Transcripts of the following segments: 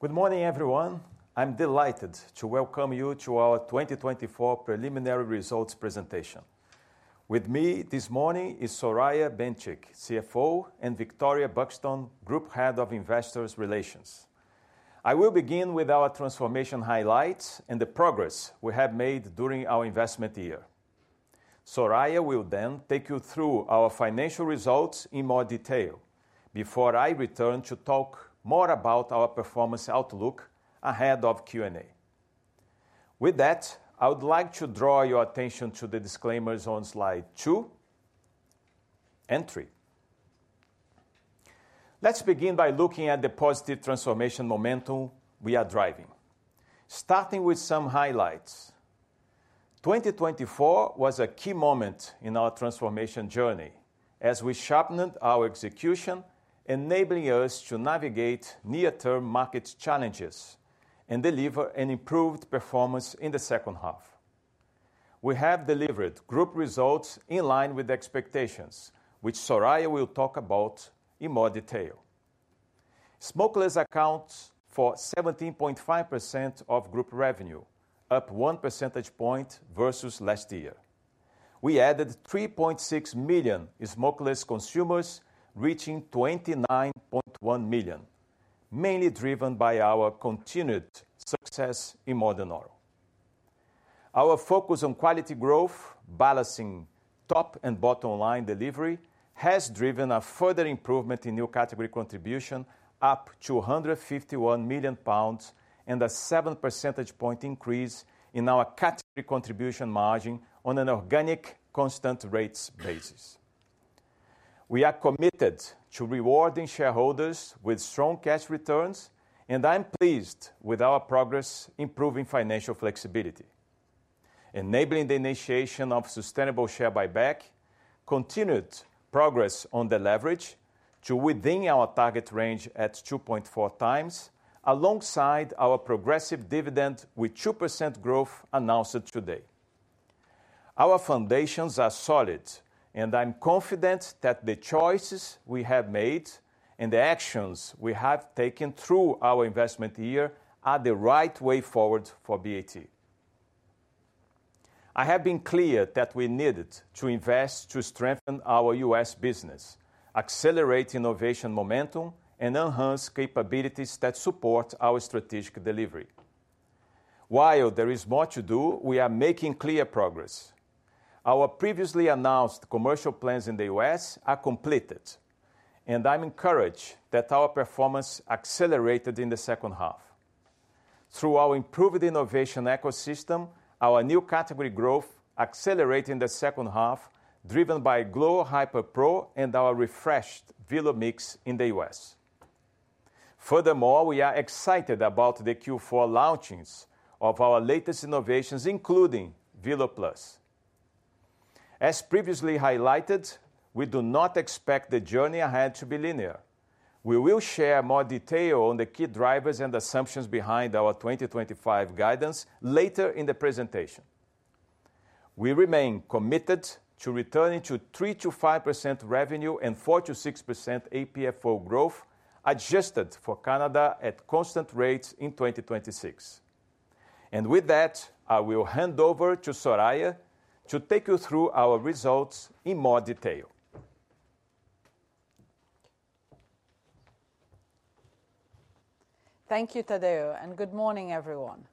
Good morning, everyone. I'm delighted to welcome you to our 2024 preliminary results presentation. With me this morning is Soraya Benchikh, CFO, and Victoria Buxton, Group Head of Investor Relations. I will begin with our transformation highlights and the progress we have made during our investment year. Soraya will then take you through our financial results in more detail before I return to talk more about our performance outlook ahead of Q&A. With that, I would like to draw your attention to the disclaimers on slide two and three. Let's begin by looking at the positive transformation momentum we are driving, starting with some highlights. 2024 was a key moment in our transformation journey as we sharpened our execution, enabling us to navigate near-term market challenges and deliver an improved performance in the second half. We have delivered group results in line with expectations, which Soraya will talk about in more detail. Smokeless accounts for 17.5% of group revenue, up one percentage point versus last year. We added 3.6 million smokeless consumers, reaching 29.1 million, mainly driven by our continued success in modern oral. Our focus on quality growth, balancing top and bottom line delivery, has driven a further improvement in new category contribution, up to 151 million pounds, and a seven percentage point increase in our category contribution margin on an organic, constant rates basis. We are committed to rewarding shareholders with strong cash returns, and I'm pleased with our progress, improving financial flexibility, enabling the initiation of sustainable share buyback, continued progress on the leverage to within our target range at 2.4x, alongside our progressive dividend with 2% growth announced today. Our foundations are solid, and I'm confident that the choices we have made and the actions we have taken through our investment year are the right way forward for BAT. I have been clear that we needed to invest to strengthen our U.S. business, accelerate innovation momentum, and enhance capabilities that support our strategic delivery. While there is more to do, we are making clear progress. Our previously announced commercial plans in the U.S. are completed, and I'm encouraged that our performance accelerated in the second half. Through our improved innovation ecosystem, our new category growth accelerated in the second half, driven by glo Hyper Pro and our refreshed Velo mix in the U.S. Furthermore, we are excited about the Q4 launchings of our latest innovations, including VELO Plus. As previously highlighted, we do not expect the journey ahead to be linear. We will share more detail on the key drivers and assumptions behind our 2025 guidance later in the presentation. We remain committed to returning to 3%-5% revenue and 4%-6% APFO growth, adjusted for Canada at constant rates in 2026, and with that, I will hand over to Soraya to take you through our results in more detail. Thank you, Tadeu, and good morning, everyone.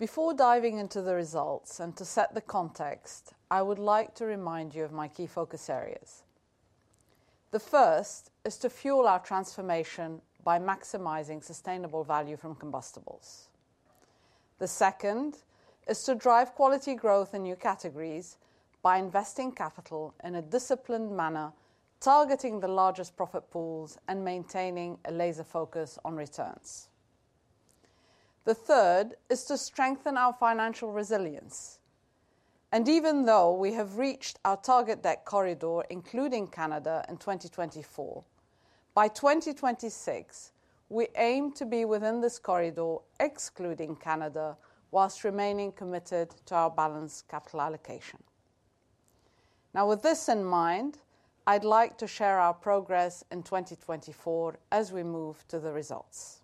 Before diving into the results and to set the context, I would like to remind you of my key focus areas. The first is to fuel our transformation by maximizing sustainable value from combustibles. The second is to drive quality growth in new categories by investing capital in a disciplined manner, targeting the largest profit pools and maintaining a laser focus on returns. The third is to strengthen our financial resilience, and even though we have reached our target debt corridor, including Canada in 2024, by 2026, we aim to be within this corridor, excluding Canada, while remaining committed to our balanced capital allocation. Now, with this in mind, I'd like to share our progress in 2024 as we move to the results.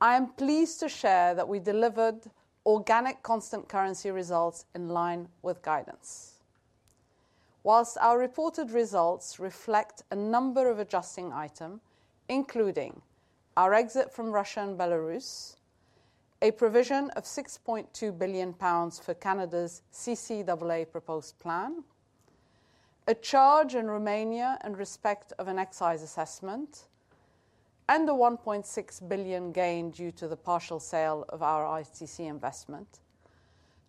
I am pleased to share that we delivered organic, constant currency results in line with guidance, while our reported results reflect a number of adjusting items, including our exit from Russia and Belarus, a provision of 6.2 billion pounds for Canada's CCAA proposed plan, a charge in Romania in respect of an excise assessment, and the 1.6 billion gain due to the partial sale of our ITC investment.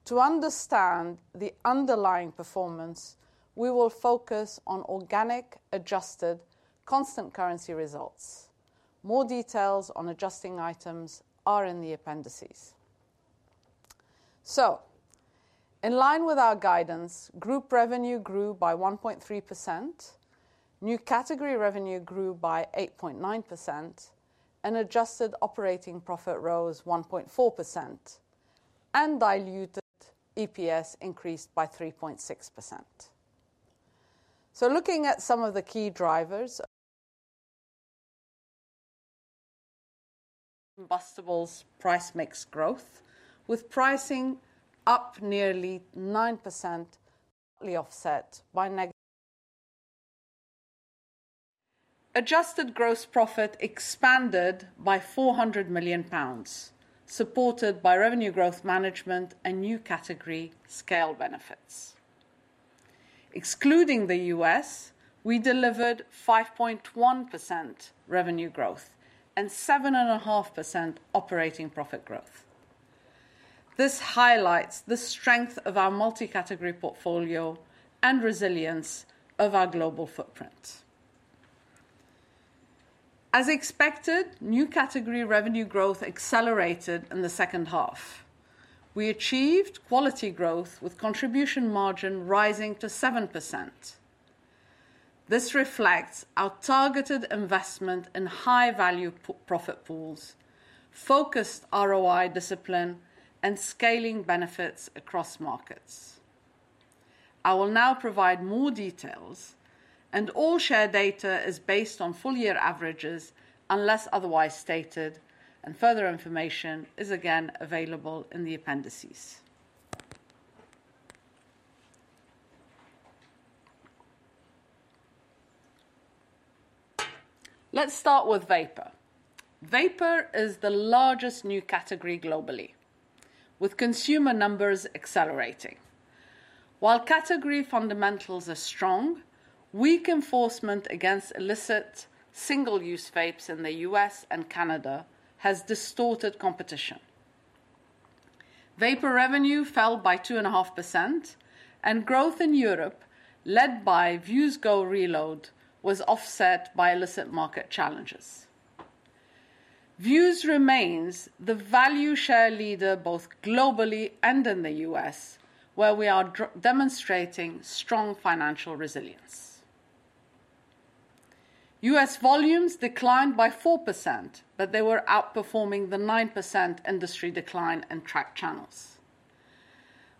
To understand the underlying performance, we will focus on organic, adjusted, constant currency results. More details on adjusting items are in the appendices. In line with our guidance, group revenue grew by 1.3%, new category revenue grew by 8.9%, and adjusted operating profit rose 1.4%, and diluted EPS increased by 3.6%. Looking at some of the key drivers. Combustibles price mix growth, with pricing up nearly 9%, partly offset by adjusted gross profit expanded by 400 million pounds, supported by revenue growth management and new category scale benefits. Excluding the U.S., we delivered 5.1% revenue growth and 7.5% operating profit growth. This highlights the strength of our multi-category portfolio and resilience of our global footprint. As expected, new category revenue growth accelerated in the second half. We achieved quality growth, with contribution margin rising to 7%. This reflects our targeted investment in high-value profit pools, focused ROI discipline, and scaling benefits across markets. I will now provide more details, and all share data is based on full year averages, unless otherwise stated, and further information is again available in the appendices. Let's start with vapor. Vapor is the largest new category globally, with consumer numbers accelerating. While category fundamentals are strong, weak enforcement against illicit single-use vapes in the U.S. and Canada has distorted competition. Vapor revenue fell by 2.5%, and growth in Europe, led by Vuse Go Reload, was offset by illicit market challenges. Vuse remains the value share leader both globally and in the U.S., where we are demonstrating strong financial resilience. U.S. volumes declined by 4%, but they were outperforming the 9% industry decline in tracked channels.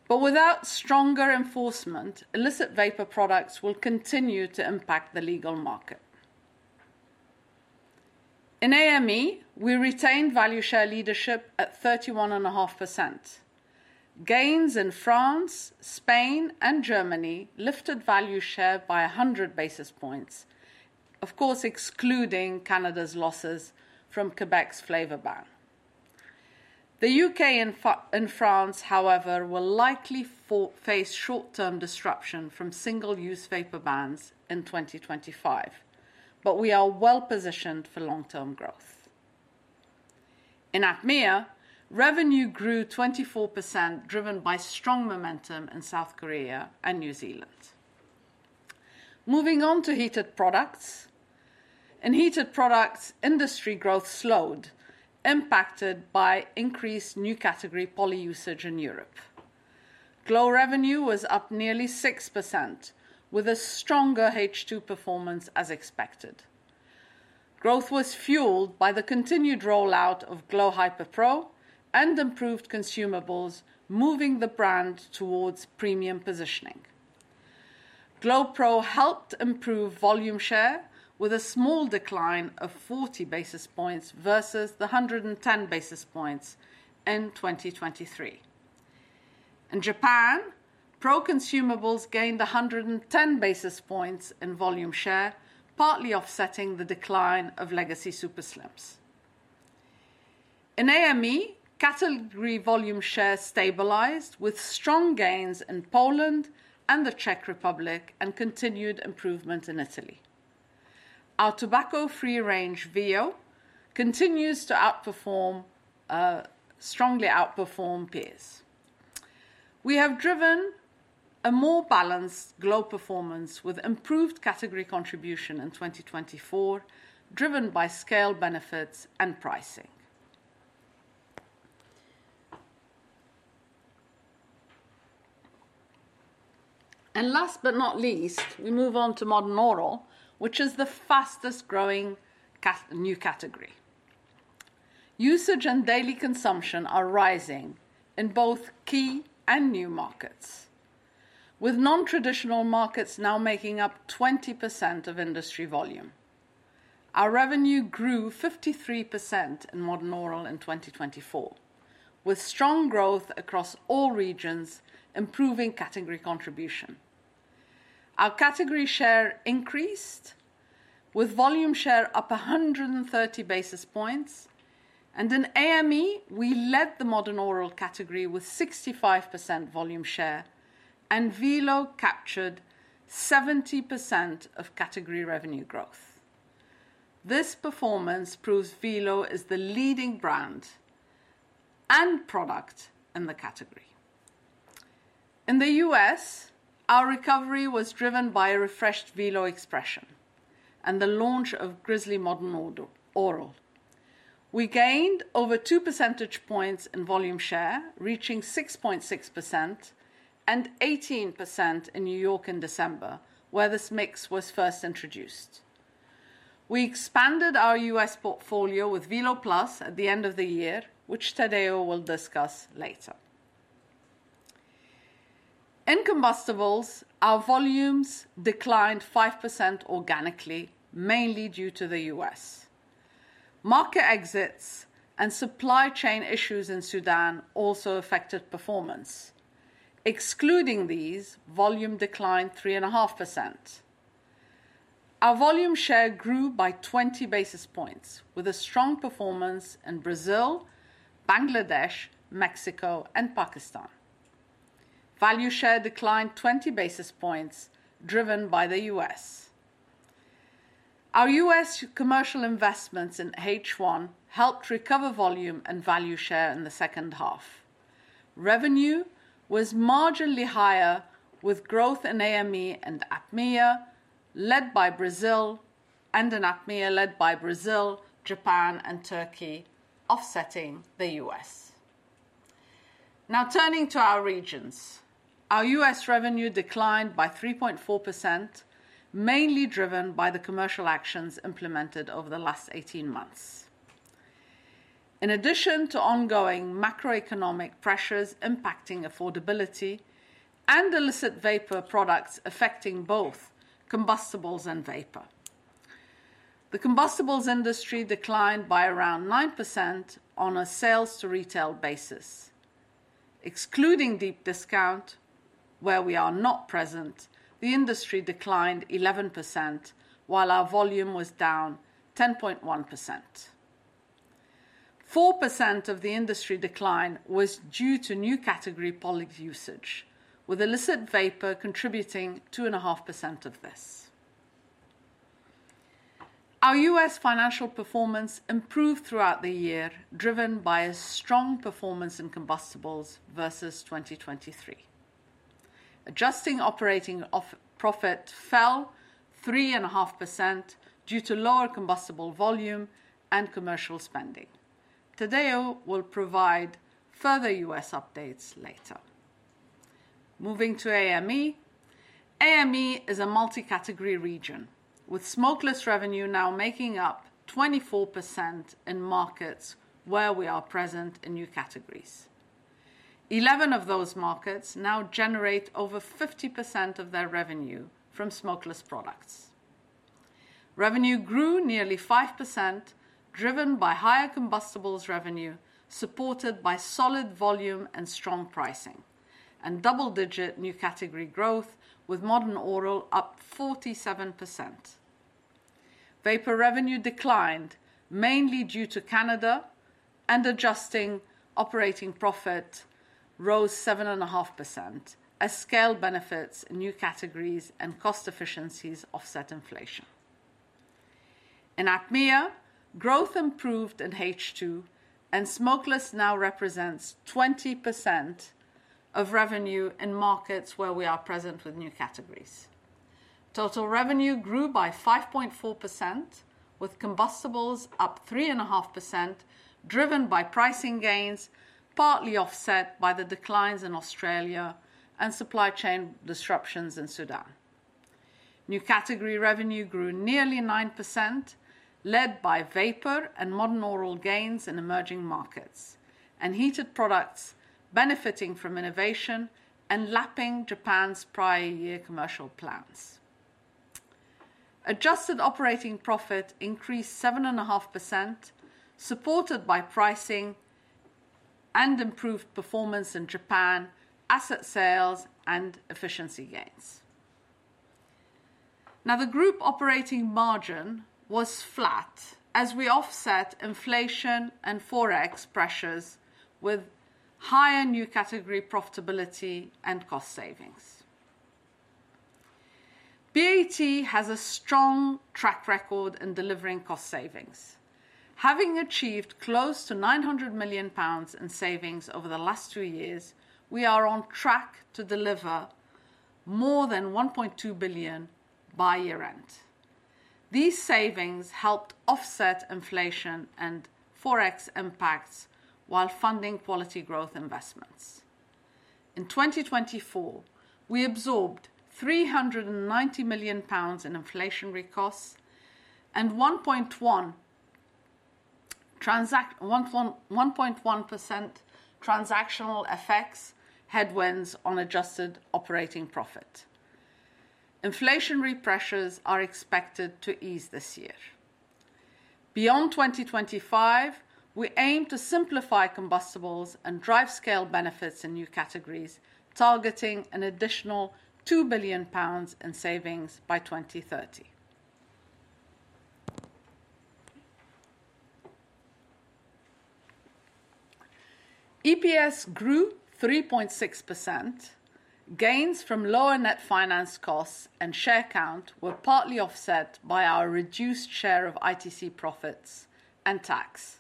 But without stronger enforcement, illicit vapor products will continue to impact the legal market. In AME, we retained value share leadership at 31.5%. Gains in France, Spain, and Germany lifted value share by 100 basis points, of course, excluding Canada's losses from Quebec's flavor ban. The U.K. and France, however, will likely face short-term disruption from single-use vapor bans in 2025, but we are well positioned for long-term growth. In APMEA, revenue grew 24%, driven by strong momentum in South Korea and New Zealand. Moving on to heated products. In heated products, industry growth slowed, impacted by increased new category poly-usage in Europe. Glo revenue was up nearly 6%, with a stronger H2 performance as expected. Growth was fueled by the continued rollout of glo Hyper Pro and improved consumables, moving the brand towards premium positioning. Glo Pro helped improve volume share with a small decline of 40 basis points versus the 110 basis points in 2023. In Japan, Pro consumables gained 110 basis points in volume share, partly offsetting the decline of legacy Super Slims. In AME, category volume share stabilized with strong gains in Poland and the Czech Republic and continued improvement in Italy. Our tobacco-free range, Veo, continues to strongly outperform peers. We have driven a more balanced global performance with improved category contribution in 2024, driven by scale benefits and pricing. Last but not least, we move on to Modern Oral, which is the fastest growing new category. Usage and daily consumption are rising in both key and new markets, with non-traditional markets now making up 20% of industry volume. Our revenue grew 53% in Modern Oral in 2024, with strong growth across all regions, improving category contribution. Our category share increased, with volume share up 130 basis points. In AME, we led the Modern Oral category with 65% volume share, and Velo captured 70% of category revenue growth. This performance proves Velo is the leading brand and product in the category. In the U.S., our recovery was driven by a refreshed Velo expression and the launch of Grizzly Modern Oral. We gained over 2 percentage points in volume share, reaching 6.6% and 18% in New York in December, where this mix was first introduced. We expanded our U.S. portfolio with VELO Plus at the end of the year, which Tadeu will discuss later. In combustibles, our volumes declined 5% organically, mainly due to the U.S. market exits and supply chain issues in Sudan, also affected performance. Excluding these, volume declined 3.5%. Our volume share grew by 20 basis points, with a strong performance in Brazil, Bangladesh, Mexico, and Pakistan. Value share declined 20 basis points, driven by the U.S. Our U.S. commercial investments in H1 helped recover volume and value share in the second half. Revenue was marginally higher, with growth in AME and APMEA, led by Brazil, and in APMEA, led by Brazil, Japan, and Turkey, offsetting the U.S. Now, turning to our regions, our U.S. Revenue declined by 3.4%, mainly driven by the commercial actions implemented over the last 18 months. In addition to ongoing macroeconomic pressures impacting affordability and illicit vapor products affecting both combustibles and vapor, the combustibles industry declined by around 9% on a sales-to-retail basis. Excluding deep discount, where we are not present, the industry declined 11%, while our volume was down 10.1%. 4% of the industry decline was due to new category poly usage, with illicit vapor contributing 2.5% of this. Our U.S. financial performance improved throughout the year, driven by a strong performance in combustibles versus 2023. Adjusted operating profit fell 3.5% due to lower combustible volume and commercial spending. Tadeu will provide further U.S. updates later. Moving to AME, AME is a multi-category region, with smokeless revenue now making up 24% in markets where we are present in new categories. 11 of those markets now generate over 50% of their revenue from smokeless products. Revenue grew nearly 5%, driven by higher combustibles revenue supported by solid volume and strong pricing, and double-digit new category growth, with modern oral up 47%. Vapor revenue declined, mainly due to Canada, and adjusted operating profit rose 7.5%, as scale benefits in new categories and cost efficiencies offset inflation. In APMEA, growth improved in H2, and smokeless now represents 20% of revenue in markets where we are present with new categories. Total revenue grew by 5.4%, with combustibles up 3.5%, driven by pricing gains, partly offset by the declines in Australia and supply chain disruptions in Sudan. New category revenue grew nearly 9%, led by vapor and modern oral gains in emerging markets, and heated products benefiting from innovation and lapping Japan's prior year commercial plans. Adjusted operating profit increased 7.5%, supported by pricing and improved performance in Japan, asset sales, and efficiency gains. Now, the group operating margin was flat, as we offset inflation and forex pressures with higher new category profitability and cost savings. BAT has a strong track record in delivering cost savings. Having achieved close to 900 million pounds in savings over the last two years, we are on track to deliver more than 1.2 billion by year-end. These savings helped offset inflation and forex impacts while funding quality growth investments. In 2024, we absorbed 390 million pounds in inflationary costs and 1.1% transactional effects headwinds on adjusted operating profit. Inflationary pressures are expected to ease this year. Beyond 2025, we aim to simplify combustibles and drive scale benefits in new categories, targeting an additional 2 billion pounds in savings by 2030. EPS grew 3.6%. Gains from lower net finance costs and share count were partly offset by our reduced share of ITC profits and tax.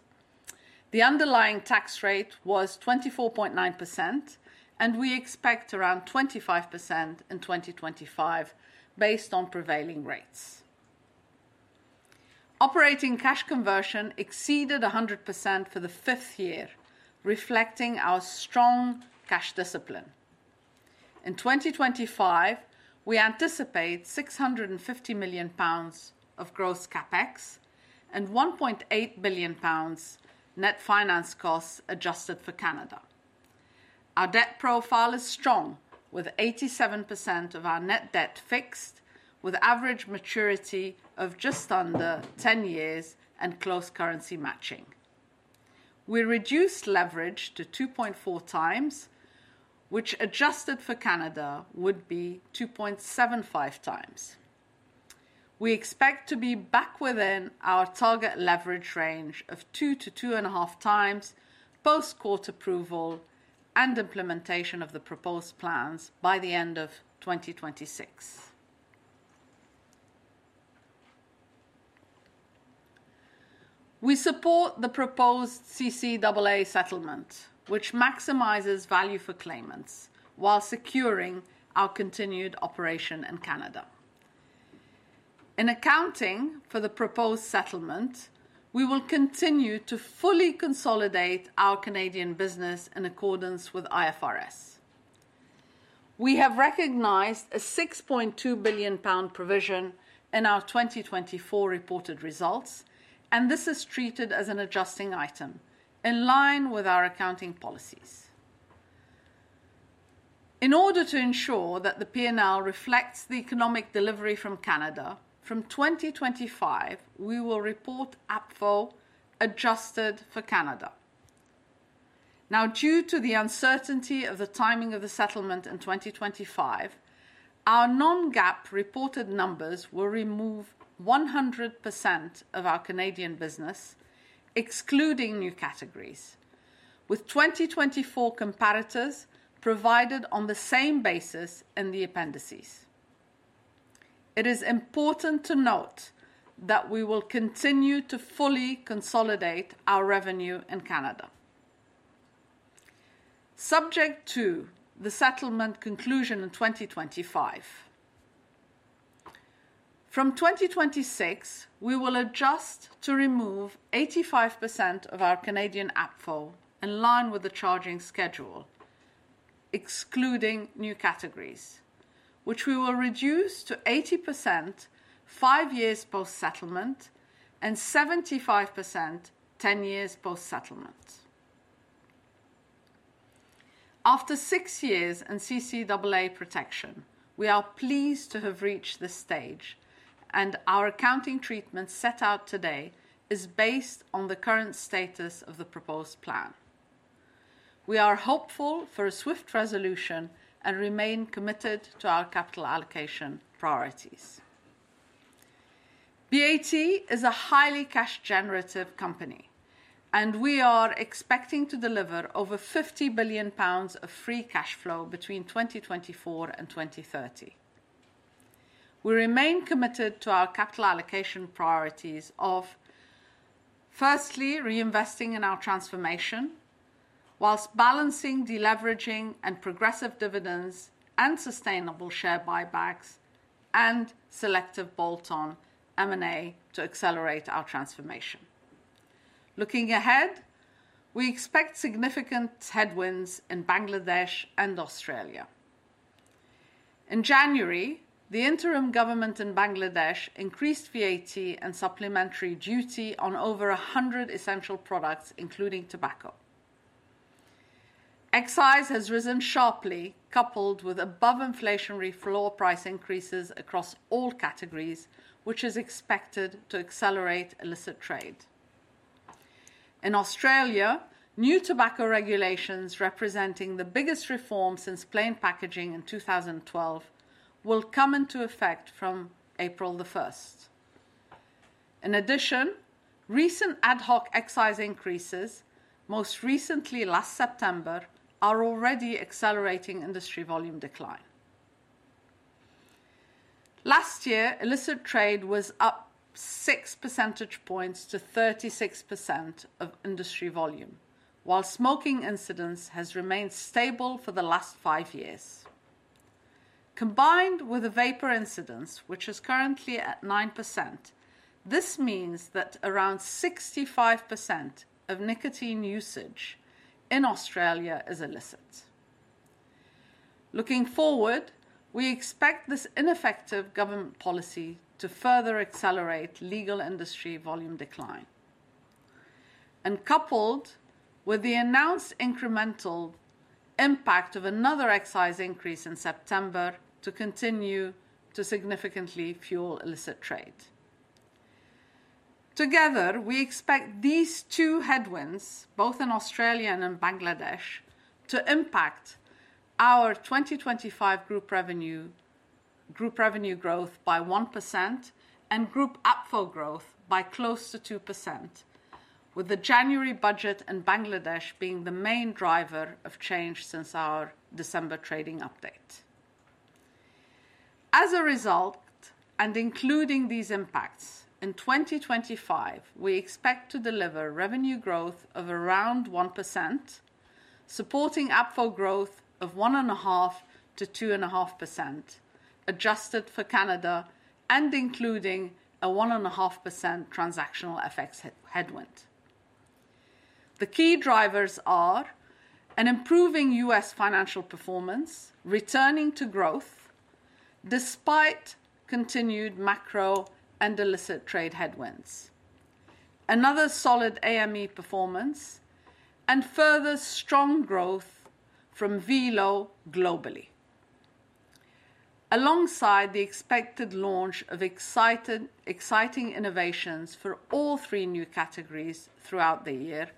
The underlying tax rate was 24.9%, and we expect around 25% in 2025 based on prevailing rates. Operating cash conversion exceeded 100% for the fifth year, reflecting our strong cash discipline. In 2025, we anticipate 650 million pounds of gross CapEx and 1.8 billion pounds net finance costs adjusted for Canada. Our debt profile is strong, with 87% of our net debt fixed, with average maturity of just under 10 years and close currency matching. We reduced leverage to 2.4x, which adjusted for Canada would be 2.75x. We expect to be back within our target leverage range of 2x-2.5x post-court approval and implementation of the proposed plans by the end of 2026. We support the proposed CCAA settlement, which maximizes value for claimants while securing our continued operation in Canada. In accounting for the proposed settlement, we will continue to fully consolidate our Canadian business in accordance with IFRS. We have recognized a 6.2 billion pound provision in our 2024 reported results, and this is treated as an adjusting item in line with our accounting policies. In order to ensure that the P&L reflects the economic delivery from Canada, from 2025, we will report APFO adjusted for Canada. Now, due to the uncertainty of the timing of the settlement in 2025, our non-GAAP reported numbers will remove 100% of our Canadian business, excluding new categories, with 2024 comparators provided on the same basis in the appendices. It is important to note that we will continue to fully consolidate our revenue in Canada. Subject to the settlement conclusion in 2025. From 2026, we will adjust to remove 85% of our Canadian APFO in line with the charging schedule, excluding new categories, which we will reduce to 80% five years post-settlement and 75% ten years post-settlement. After six years in CCAA protection, we are pleased to have reached this stage, and our accounting treatment set out today is based on the current status of the proposed plan. We are hopeful for a swift resolution and remain committed to our capital allocation priorities. BAT is a highly cash-generative company, and we are expecting to deliver over 50 billion pounds of free cash flow between 2024 and 2030. We remain committed to our capital allocation priorities of, firstly, reinvesting in our transformation, whilst balancing deleveraging and progressive dividends and sustainable share buybacks and selective bolt-on M&A to accelerate our transformation. Looking ahead, we expect significant headwinds in Bangladesh and Australia. In January, the interim government in Bangladesh increased VAT and supplementary duty on over 100 essential products, including tobacco. Excise has risen sharply, coupled with above-inflationary floor price increases across all categories, which is expected to accelerate illicit trade. In Australia, new tobacco regulations representing the biggest reform since plain packaging in 2012 will come into effect from April the 1st. In addition, recent ad hoc excise increases, most recently last September, are already accelerating industry volume decline. Last year, illicit trade was up 6 percentage points to 36% of industry volume, while smoking incidence have remained stable for the last five years. Combined with the vapor incidence, which are currently at 9%, this means that around 65% of nicotine usage in Australia is illicit. Looking forward, we expect this ineffective government policy to further accelerate legal industry volume decline, and coupled with the announced incremental impact of another excise increase in September to continue to significantly fuel illicit trade. Together, we expect these two headwinds, both in Australia and in Bangladesh, to impact our 2025 group revenue growth by 1% and group APFO growth by close to 2%, with the January budget in Bangladesh being the main driver of change since our December trading update. As a result, and including these impacts, in 2025, we expect to deliver revenue growth of around 1%, supporting APFO growth of 1.5%-2.5%, adjusted for Canada and including a 1.5% transactional effects headwind. The key drivers are an improving U.S. financial performance, returning to growth despite continued macro and illicit trade headwinds, another solid AME performance, and further strong growth from Velo globally. Alongside the expected launch of exciting innovations for all three new categories throughout the year,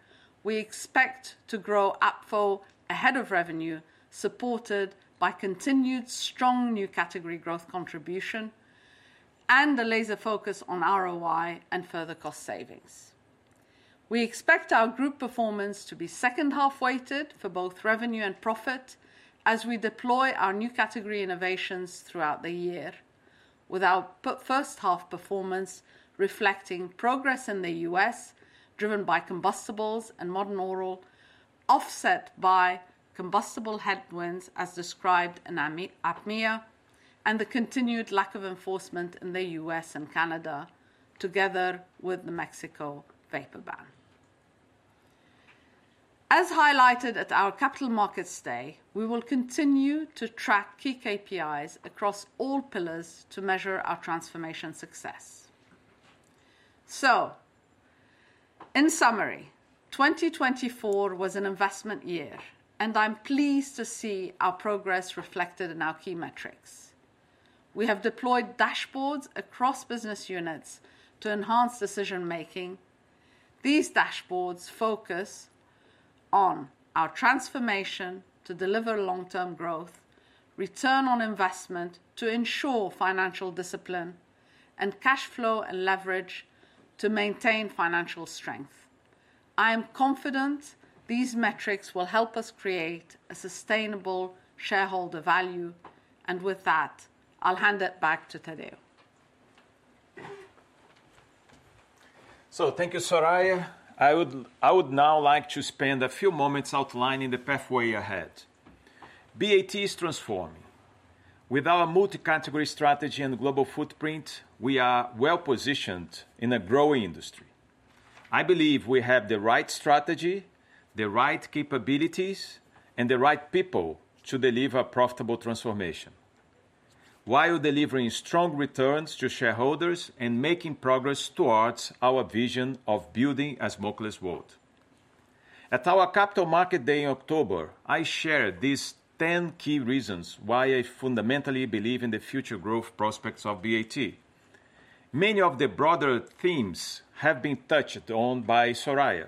we expect to grow APFO ahead of revenue, supported by continued strong new category growth contribution and a laser focus on ROI and further cost savings. We expect our group performance to be second-half weighted for both revenue and profit as we deploy our new category innovations throughout the year, with our first-half performance reflecting progress in the U.S., driven by combustibles and modern oral, offset by combustible headwinds as described in APMEA and the continued lack of enforcement in the U.S. and Canada, together with the Mexico vapor ban. As highlighted at our Capital Markets Day, we will continue to track key KPIs across all pillars to measure our transformation success. In summary, 2024 was an investment year, and I'm pleased to see our progress reflected in our key metrics. We have deployed dashboards across business units to enhance decision-making. These dashboards focus on our transformation to deliver long-term growth, return on investment to ensure financial discipline, and cash flow and leverage to maintain financial strength. I am confident these metrics will help us create a sustainable shareholder value, and with that, I'll hand it back to Tadeu. So, thank you, Soraya. I would now like to spend a few moments outlining the pathway ahead. BAT is transforming. With our multi-category strategy and global footprint, we are well-positioned in a growing industry. I believe we have the right strategy, the right capabilities, and the right people to deliver a profitable transformation, while delivering strong returns to shareholders and making progress towards our vision of building a smokeless world. At our Capital Markets Day in October, I shared these ten key reasons why I fundamentally believe in the future growth prospects of BAT. Many of the broader themes have been touched on by Soraya,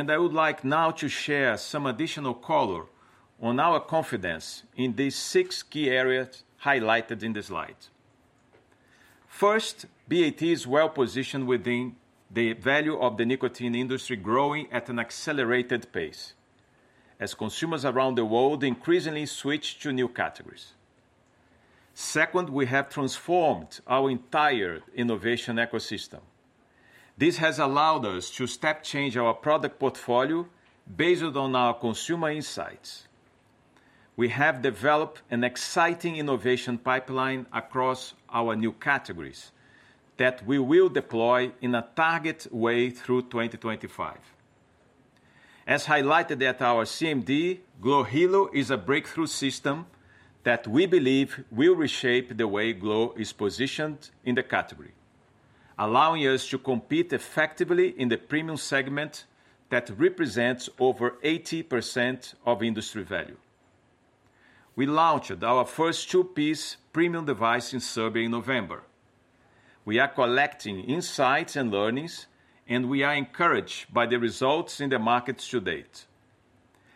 and I would like now to share some additional color on our confidence in these six key areas highlighted in the slide. First, BAT is well-positioned within the value of the nicotine industry growing at an accelerated pace as consumers around the world increasingly switch to new categories. Second, we have transformed our entire innovation ecosystem. This has allowed us to step-change our product portfolio based on our consumer insights. We have developed an exciting innovation pipeline across our new categories that we will deploy in a target way through 2025. As highlighted at our CMD, glo Hilo is a breakthrough system that we believe will reshape the way glo is positioned in the category, allowing us to compete effectively in the premium segment that represents over 80% of industry value. We launched our first two-piece premium device in Serbia in November. We are collecting insights and learnings, and we are encouraged by the results in the markets to date.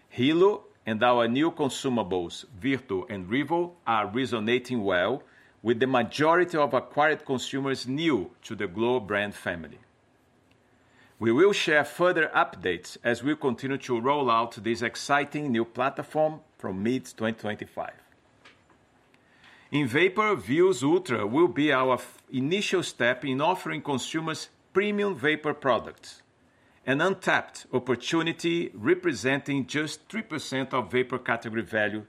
Hilo and our new consumables, Veo and neo, are resonating well with the majority of acquired consumers new to the glo brand family. We will share further updates as we continue to roll out this exciting new platform from mid-2025. In vapor, Vuse Ultra will be our initial step in offering consumers premium vapor products, an untapped opportunity representing just 3% of vapor category value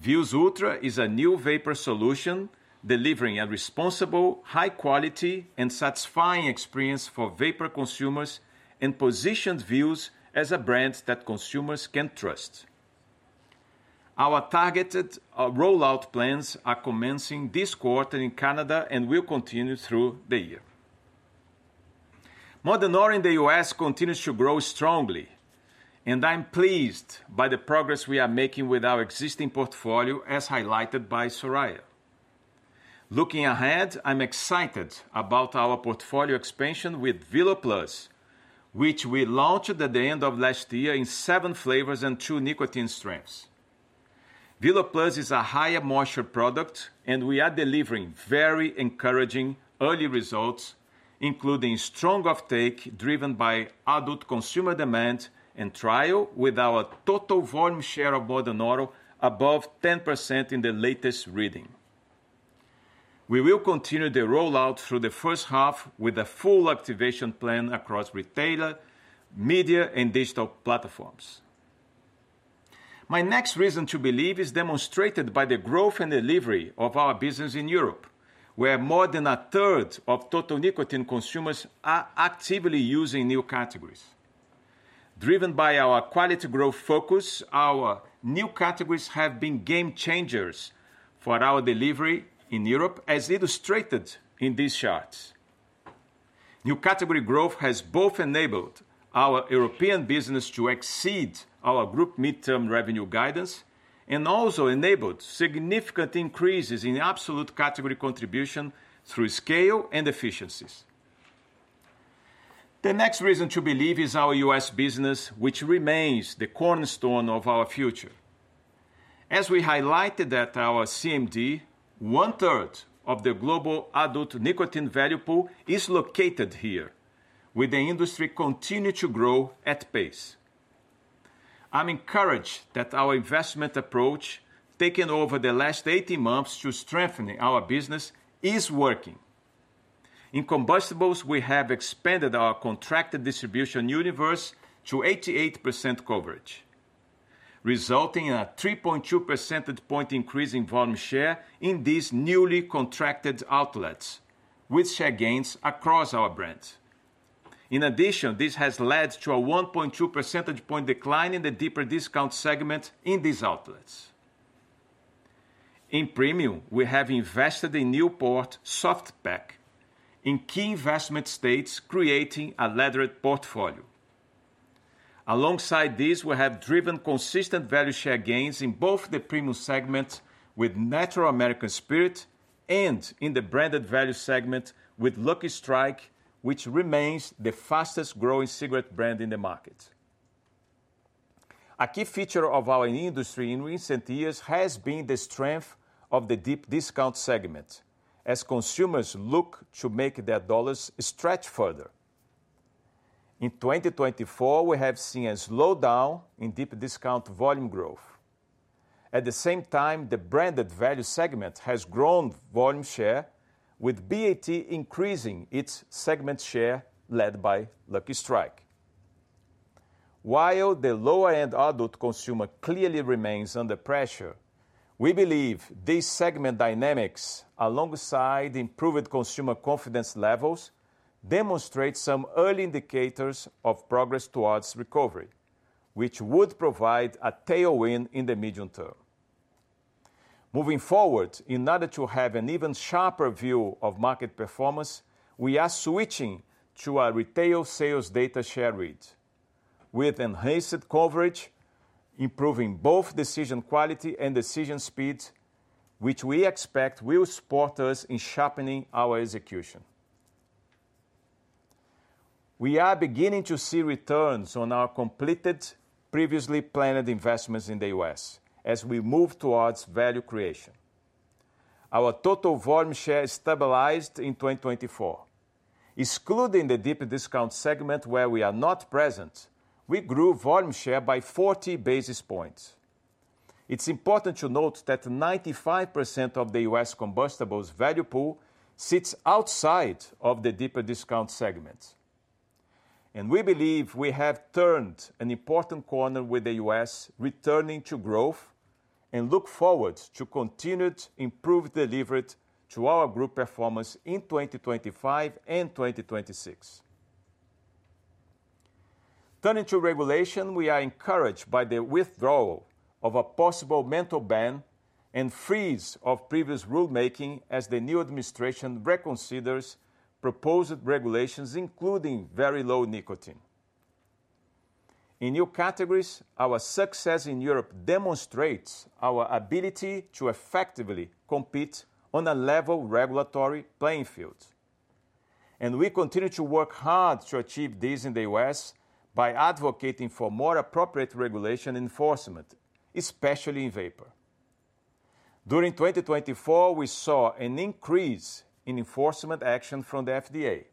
today. Vuse Ultra is a new vapor solution delivering a responsible, high-quality, and satisfying experience for vapor consumers and positioned Vuse as a brand that consumers can trust. Our targeted rollout plans are commencing this quarter in Canada and will continue through the year. Modern Oral in the U.S. continues to grow strongly, and I'm pleased by the progress we are making with our existing portfolio, as highlighted by Soraya. Looking ahead, I'm excited about our portfolio expansion with VELO Plus, which we launched at the end of last year in seven flavors and two nicotine strengths. VELO Plus is a higher moisture product, and we are delivering very encouraging early results, including strong uptake driven by adult consumer demand and trial with our total volume share of modern oral above 10% in the latest reading. We will continue the rollout through the first half with a full activation plan across retailer, media, and digital platforms. My next reason to believe is demonstrated by the growth and delivery of our business in Europe, where more than a third of total nicotine consumers are actively using new categories. Driven by our quality growth focus, our new categories have been game changers for our delivery in Europe, as illustrated in these charts. New category growth has both enabled our European business to exceed our group midterm revenue guidance and also enabled significant increases in absolute category contribution through scale and efficiencies. The next reason to believe is our U.S. business, which remains the cornerstone of our future. As we highlighted at our CMD, one-third of the global adult nicotine value pool is located here, with the industry continuing to grow at pace. I'm encouraged that our investment approach, taken over the last 18 months to strengthening our business, is working. In combustibles, we have expanded our contracted distribution universe to 88% coverage, resulting in a 3.2 percentage point increase in volume share in these newly contracted outlets, with share gains across our brand. In addition, this has led to a 1.2 percentage point decline in the deep discount segment in these outlets. In premium, we have invested in Newport Soft Pack in key investment states, creating a layered portfolio. Alongside these, we have driven consistent value share gains in both the premium segment with Natural American Spirit and in the branded value segment with Lucky Strike, which remains the fastest-growing cigarette brand in the market. A key feature of our industry in recent years has been the strength of the deep discount segment, as consumers look to make their dollars stretch further. In 2024, we have seen a slowdown in deep discount volume growth. At the same time, the branded value segment has grown volume share, with BAT increasing its segment share led by Lucky Strike. While the lower-end adult consumer clearly remains under pressure, we believe these segment dynamics, alongside improved consumer confidence levels, demonstrate some early indicators of progress towards recovery, which would provide a tailwind in the medium term. Moving forward, in order to have an even sharper view of market performance, we are switching to our retail sales data share read, with enhanced coverage, improving both decision quality and decision speed, which we expect will support us in sharpening our execution. We are beginning to see returns on our completed previously planned investments in the U.S. as we move towards value creation. Our total volume share stabilized in 2024. Excluding the deep discount segment, where we are not present, we grew volume share by 40 basis points. It's important to note that 95% of the U.S. combustibles value pool sits outside of the deep discount segment, and we believe we have turned an important corner with the U.S. returning to growth and look forward to continued improved delivery to our group performance in 2025 and 2026. Turning to regulation, we are encouraged by the withdrawal of a possible menthol ban and freeze of previous rulemaking as the new administration reconsiders proposed regulations, including very low nicotine. In new categories, our success in Europe demonstrates our ability to effectively compete on a level regulatory playing field, and we continue to work hard to achieve this in the U.S. by advocating for more appropriate regulation enforcement, especially in vapor. During 2024, we saw an increase in enforcement action from the FDA.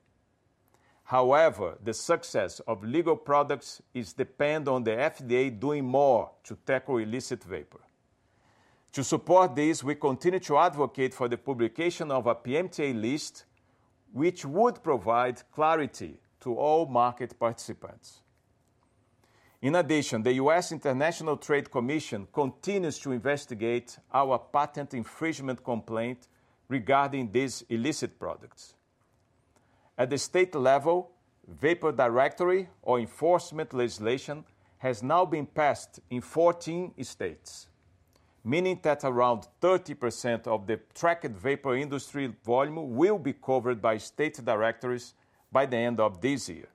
However, the success of legal products is dependent on the FDA doing more to tackle illicit vapor. To support this, we continue to advocate for the publication of a PMTA list, which would provide clarity to all market participants. In addition, the U.S. International Trade Commission continues to investigate our patent infringement complaint regarding these illicit products. At the state level, vapor directory or enforcement legislation has now been passed in 14 states, meaning that around 30% of the tracked vapor industry volume will be covered by state directories by the end of this year.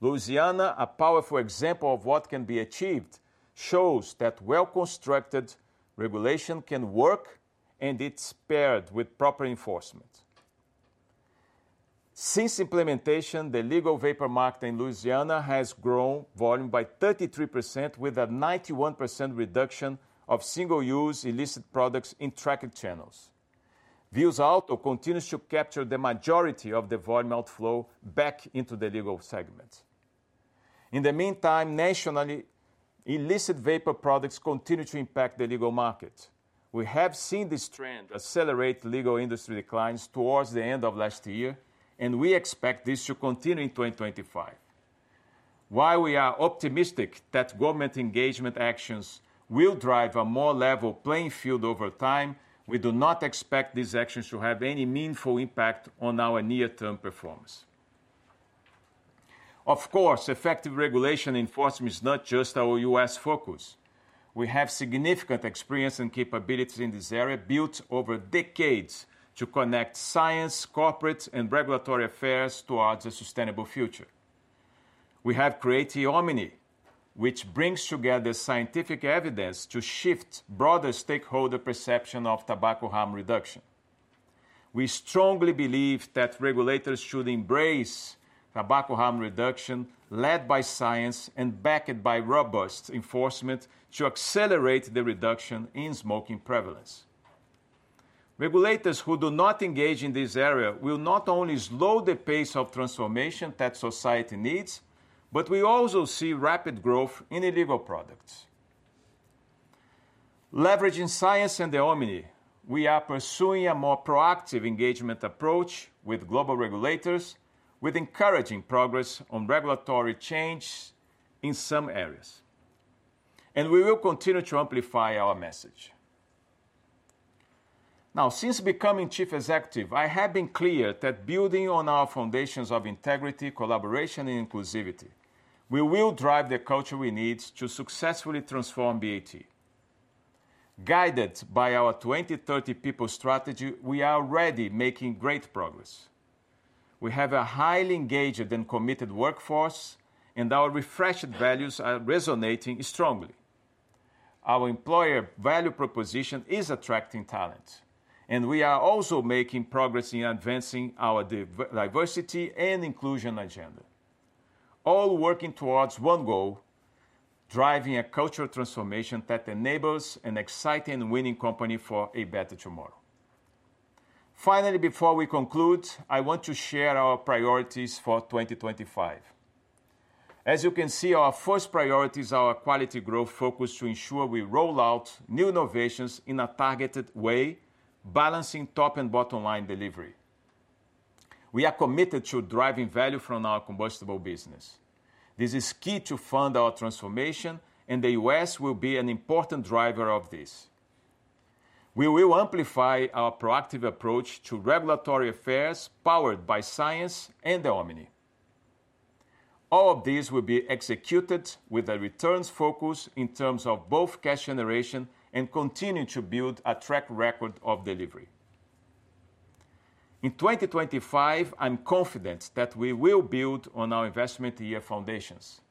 Louisiana, a powerful example of what can be achieved, shows that well-constructed regulation can work, and it's paired with proper enforcement. Since implementation, the legal vapor market in Louisiana has grown volume by 33%, with a 91% reduction of single-use illicit products in tracked channels. Vuse Alto continues to capture the majority of the volume outflow back into the legal segment. In the meantime, nationally, illicit vapor products continue to impact the legal market. We have seen this trend accelerate legal industry declines towards the end of last year, and we expect this to continue in 2025. While we are optimistic that government engagement actions will drive a more level playing field over time, we do not expect these actions to have any meaningful impact on our near-term performance. Of course, effective regulation enforcement is not just our U.S. focus. We have significant experience and capabilities in this area built over decades to connect science, corporate, and regulatory affairs towards a sustainable future. We have created Omni, which brings together scientific evidence to shift broader stakeholder perception of tobacco harm reduction. We strongly believe that regulators should embrace tobacco harm reduction led by science and backed by robust enforcement to accelerate the reduction in smoking prevalence. Regulators who do not engage in this area will not only slow the pace of transformation that society needs, but we also see rapid growth in illegal products. Leveraging science and Omni, we are pursuing a more proactive engagement approach with global regulators, with encouraging progress on regulatory change in some areas, and we will continue to amplify our message. Now, since becoming Chief Executive, I have been clear that building on our foundations of integrity, collaboration, and inclusivity, we will drive the culture we need to successfully transform BAT. Guided by our 2030 People Strategy, we are already making great progress. We have a highly engaged and committed workforce, and our refreshed values are resonating strongly. Our employer value proposition is attracting talent, and we are also making progress in advancing our diversity and inclusion agenda, all working towards one goal: driving a cultural transformation that enables an exciting and winning company for a better tomorrow. Finally, before we conclude, I want to share our priorities for 2025. As you can see, our first priority is our quality growth focus to ensure we roll out new innovations in a targeted way, balancing top and bottom line delivery. We are committed to driving value from our combustible business. This is key to fund our transformation, and the U.S. will be an important driver of this. We will amplify our proactive approach to regulatory affairs powered by science and Omni. All of these will be executed with a returns focus in terms of both cash generation and continue to build a track record of delivery. In 2025, I'm confident that we will build on our investment year foundations.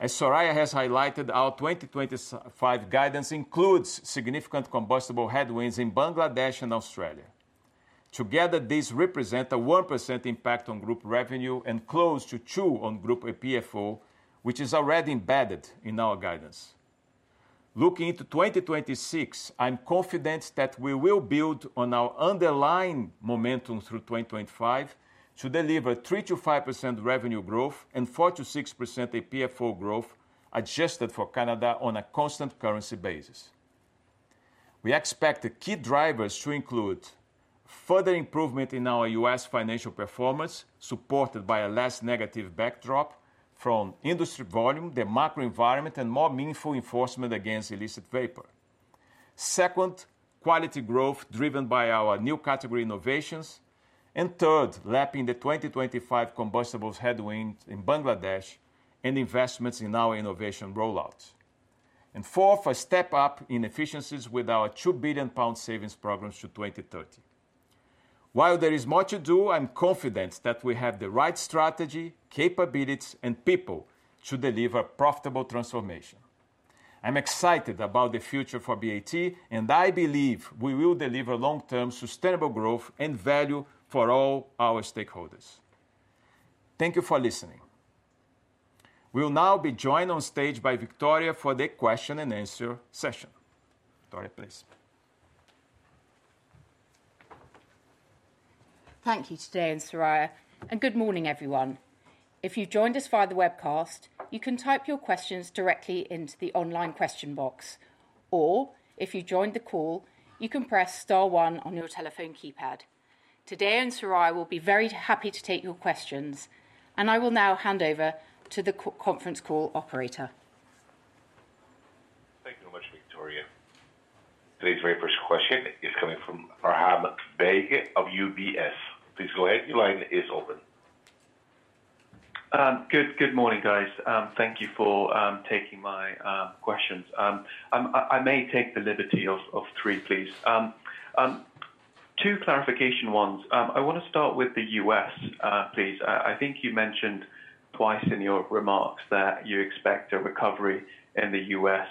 As Soraya has highlighted, our 2025 guidance includes significant combustible headwinds in Bangladesh and Australia. Together, these represent a 1% impact on group revenue and close to 2% on group APFO, which is already embedded in our guidance. Looking into 2026, I'm confident that we will build on our underlying momentum through 2025 to deliver 3%-5% revenue growth and 4%-6% APFO growth adjusted for Canada on a constant currency basis. We expect key drivers to include further improvement in our U.S. financial performance, supported by a less negative backdrop from industry volume, the macro environment, and more meaningful enforcement against illicit vapor. Second, quality growth driven by our new category innovations. And third, lapping the 2025 combustibles headwinds in Bangladesh and investments in our innovation rollouts. Fourth, a step up in efficiencies with our 2 billion pound savings programs to 2030. While there is more to do, I'm confident that we have the right strategy, capabilities, and people to deliver profitable transformation. I'm excited about the future for BAT, and I believe we will deliver long-term sustainable growth and value for all our stakeholders. Thank you for listening. We'll now be joined on stage by Victoria for the question and answer session. Victoria, please. Thank you, Tadeu and Soraya. Good morning, everyone. If you've joined us via the webcast, you can type your questions directly into the online question box. Or if you joined the call, you can press star one on your telephone keypad. Tadeu and Soraya will be very happy to take your questions, and I will now hand over to the conference call operator. Thank you very much, Victoria. Today's very first question is coming from Faham Baig of UBS. Please go ahead. Your line is open. Good morning, guys. Thank you for taking my questions. I may take the liberty of three, please. Two clarification ones. I want to start with the U.S., please. I think you mentioned twice in your remarks that you expect a recovery in the U.S.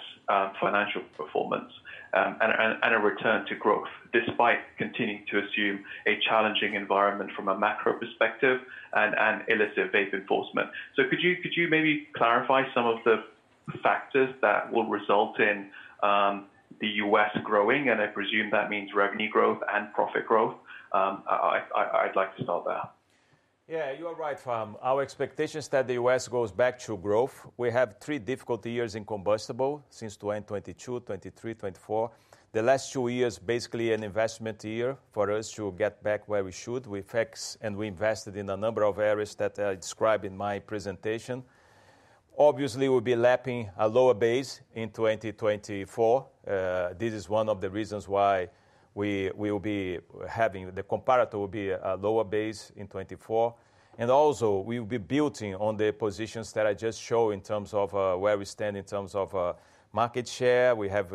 financial performance and a return to growth despite continuing to assume a challenging environment from a macro perspective and illicit vape enforcement. So could you maybe clarify some of the factors that will result in the U.S. growing? And I presume that means revenue growth and profit growth. I'd like to start there. Yeah, you're right, Faham. Our expectation is that the U.S. goes back to growth. We have three difficult years in combustibles since 2022, 2023, 2024. The last two years are basically an investment year for us to get back where we should. We fixed and we invested in a number of areas that I described in my presentation. Obviously, we'll be lapping a lower base in 2024. This is one of the reasons why we will be having the comparator will be a lower base in 2024. And also, we will be building on the positions that I just showed in terms of where we stand in terms of market share. We have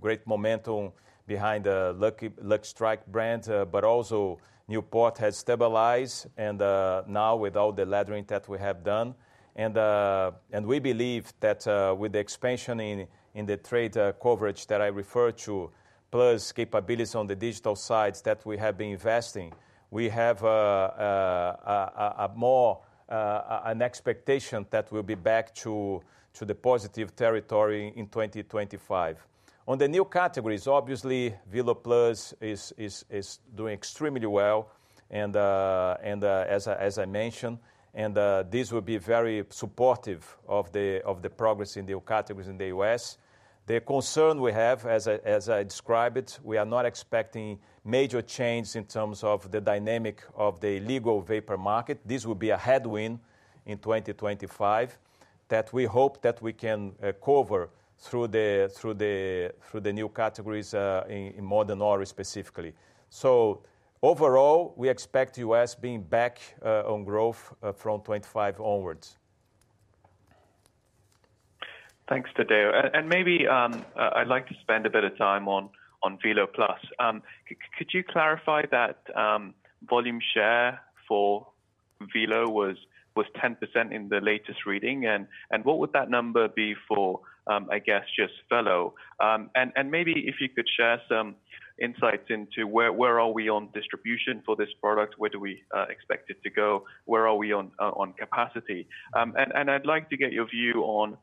great momentum behind the Lucky Strike brand, but also Newport has stabilized and now with all the litigating that we have done. And we believe that with the expansion in the trade coverage that I referred to, plus capabilities on the digital sides that we have been investing, we have more an expectation that we'll be back to the positive territory in 2025. On the new categories, obviously, Velo Plus is doing extremely well. And as I mentioned, this will be very supportive of the progress in the categories in the U.S. The concern we have, as I described it, we are not expecting major change in terms of the dynamic of the legal vapor market. This will be a headwind in 2025 that we hope that we can cover through the new categories in modern oral specifically. So overall, we expect the U.S. being back on growth from 2025 onwards. Thanks, Tadeu. And maybe I'd like to spend a bit of time on Velo Plus. Could you clarify that volume share for Velo was 10% in the latest reading? And what would that number be for, I guess, just Velo? And maybe if you could share some insights into where are we on distribution for this product? Where do we expect it to go? Where are we on capacity? And I'd like to get your view on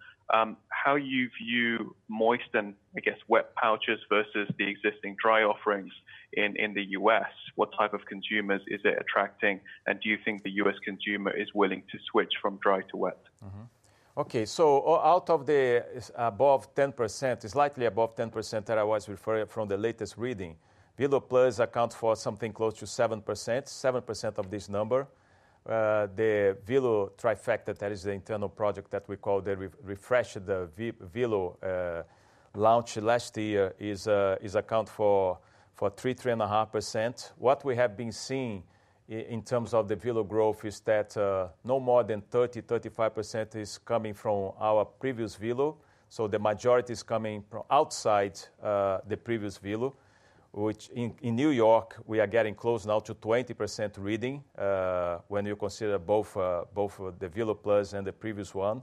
how you view moist and, I guess, wet pouches versus the existing dry offerings in the U.S. What type of consumers is it attracting? And do you think the U.S. consumer is willing to switch from dry to wet? Okay. So out of the above 10%, slightly above 10% that I was referring from the latest reading, Velo Plus accounts for something close to 7%, 7% of this number. The Velo Trifecta, that is the internal project that we call the refreshed Velo launch last year, accounts for 3%-3.5%. What we have been seeing in terms of the Velo growth is that no more than 30%-35% is coming from our previous Velo. The majority is coming outside the previous Velo, which in New York we are getting close now to 20% reading when you consider both the Velo Plus and the previous one.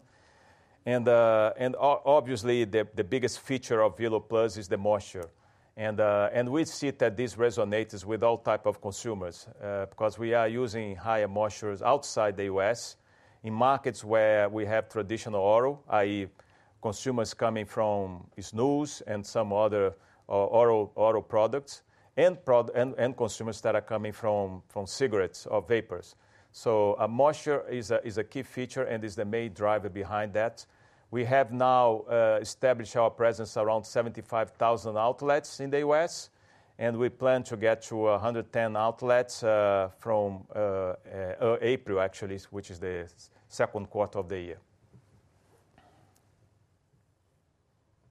Obviously, the biggest feature of Velo Plus is the moisture. We see that this resonates with all types of consumers because we are using higher moistures outside the U.S. in markets where we have traditional oral, i.e., consumers coming from snus and some other oral products and consumers that are coming from cigarettes or vapers. Moisture is a key feature and is the main driver behind that. We have now established our presence around 75,000 outlets in the U.S., and we plan to get to 110 outlets from April, actually, which is the second quarter of the year.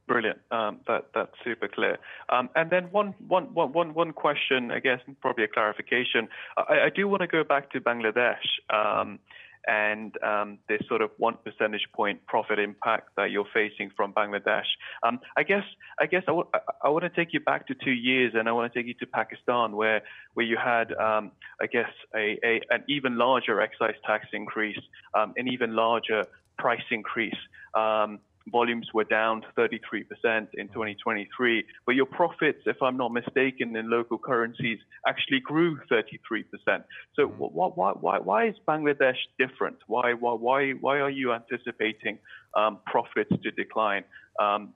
Brilliant. That's super clear. And then one question, I guess, probably a clarification. I do want to go back to Bangladesh and this sort of one percentage point profit impact that you're facing from Bangladesh. I guess I want to take you back to two years, and I want to take you to Pakistan where you had, I guess, an even larger excise tax increase, an even larger price increase. Volumes were down 33% in 2023, but your profits, if I'm not mistaken, in local currencies actually grew 33%. So why is Bangladesh different? Why are you anticipating profits to decline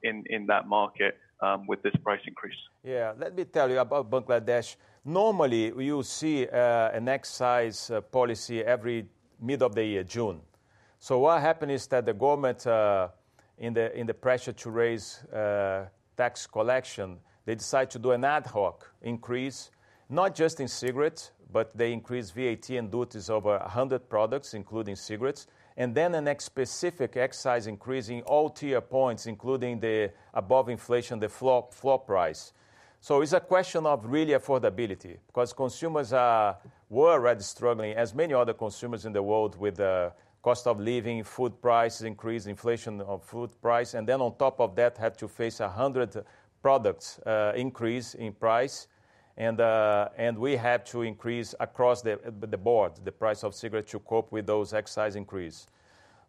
in that market with this price increase? Yeah, let me tell you about Bangladesh. Normally, you'll see an excise policy every mid of the year, June, so what happened is that the government, in the pressure to raise tax collection, they decided to do an ad hoc increase, not just in cigarettes, but they increased VAT and duties over 100 products, including cigarettes, and then a specific excise increase in all tier points, including the above inflation, the floor price, so it's a question of really affordability because consumers were already struggling, as many other consumers in the world, with the cost of living, food price increase, inflation of food price, and then on top of that, had to face a 100 products increase in price, and we had to increase across the board the price of cigarettes to cope with those excise increases.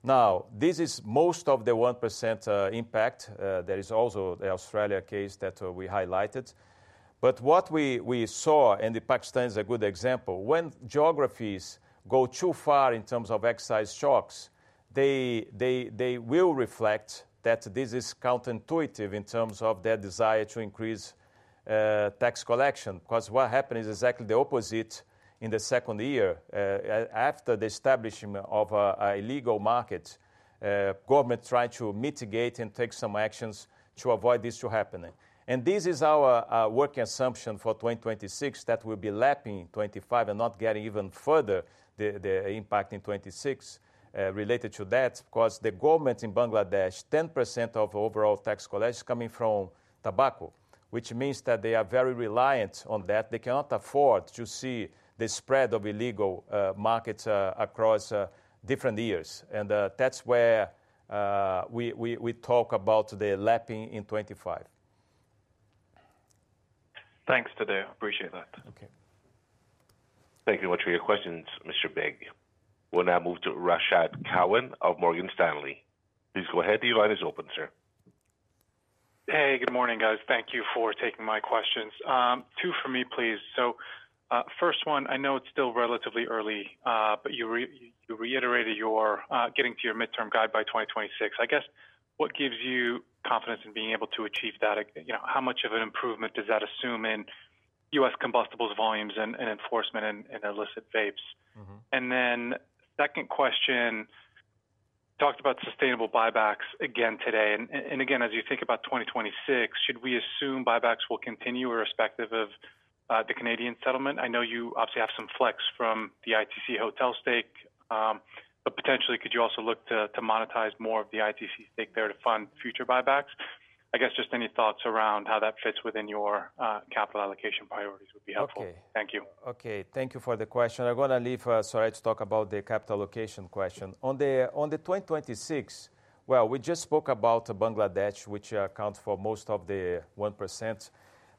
Now, this is most of the 1% impact. There is also the Australia case that we highlighted. But what we saw, and Pakistan is a good example, when geographies go too far in terms of excise shocks, they will reflect that this is counterintuitive in terms of their desire to increase tax collection because what happened is exactly the opposite in the second year. After the establishment of a legal market, government tried to mitigate and take some actions to avoid this from happening. This is our working assumption for 2026 that we'll be lapping 2025 and not getting even further the impact in 2026 related to that because the government in Bangladesh, 10% of overall tax collection is coming from tobacco, which means that they are very reliant on that. They cannot afford to see the spread of illegal markets across different years. That's where we talk about the lapping in 2025. Thanks, Tadeu. Appreciate that. Okay. Thank you very much for your questions, Mr. Baig. We'll now move to Rashad Kawan of Morgan Stanley. Please go ahead. Your line is open, sir. Hey, good morning, guys. Thank you for taking my questions. Two for me, please. So first one, I know it's still relatively early, but you reiterated your getting to your midterm guide by 2026. I guess what gives you confidence in being able to achieve that? How much of an improvement does that assume in U.S. combustibles volumes and enforcement and illicit vapes? And then second question, talked about sustainable buybacks again today. And again, as you think about 2026, should we assume buybacks will continue irrespective of the Canadian settlement? I know you obviously have some flex from the ITC Hotels stake, but potentially, could you also look to monetize more of the ITC stake there to fund future buybacks? I guess just any thoughts around how that fits within your capital allocation priorities would be helpful. Thank you. Okay. Thank you for the question. I'm going to leave Soraya to talk about the capital allocation question. On the 2026, well, we just spoke about Bangladesh, which accounts for most of the 1%.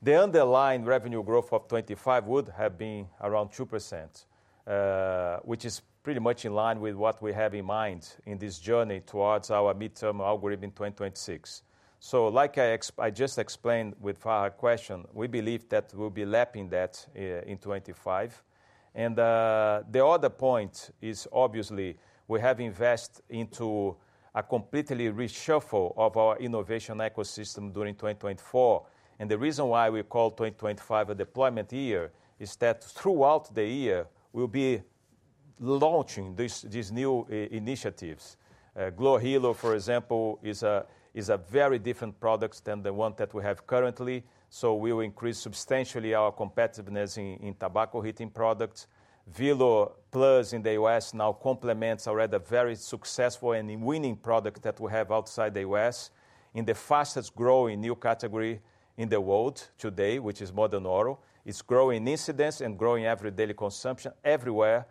The underlying revenue growth of 2025 would have been around 2%, which is pretty much in line with what we have in mind in this journey towards our midterm algorithm in 2026. So like I just explained with Faham's question, we believe that we'll be lapping that in 2025. And the other point is obviously we have invested into a completely reshuffle of our innovation ecosystem during 2024. And the reason why we call 2025 a deployment year is that throughout the year, we'll be launching these new initiatives. glo Hilo, for example, is a very different product than the one that we have currently. So we will increase substantially our competitiveness in tobacco heating products. Velo Plus in the U.S. now complements already a very successful and winning product that we have outside the U.S. in the fastest growing new category in the world today, which is modern oral. It's growing incidence and growing everyday consumption everywhere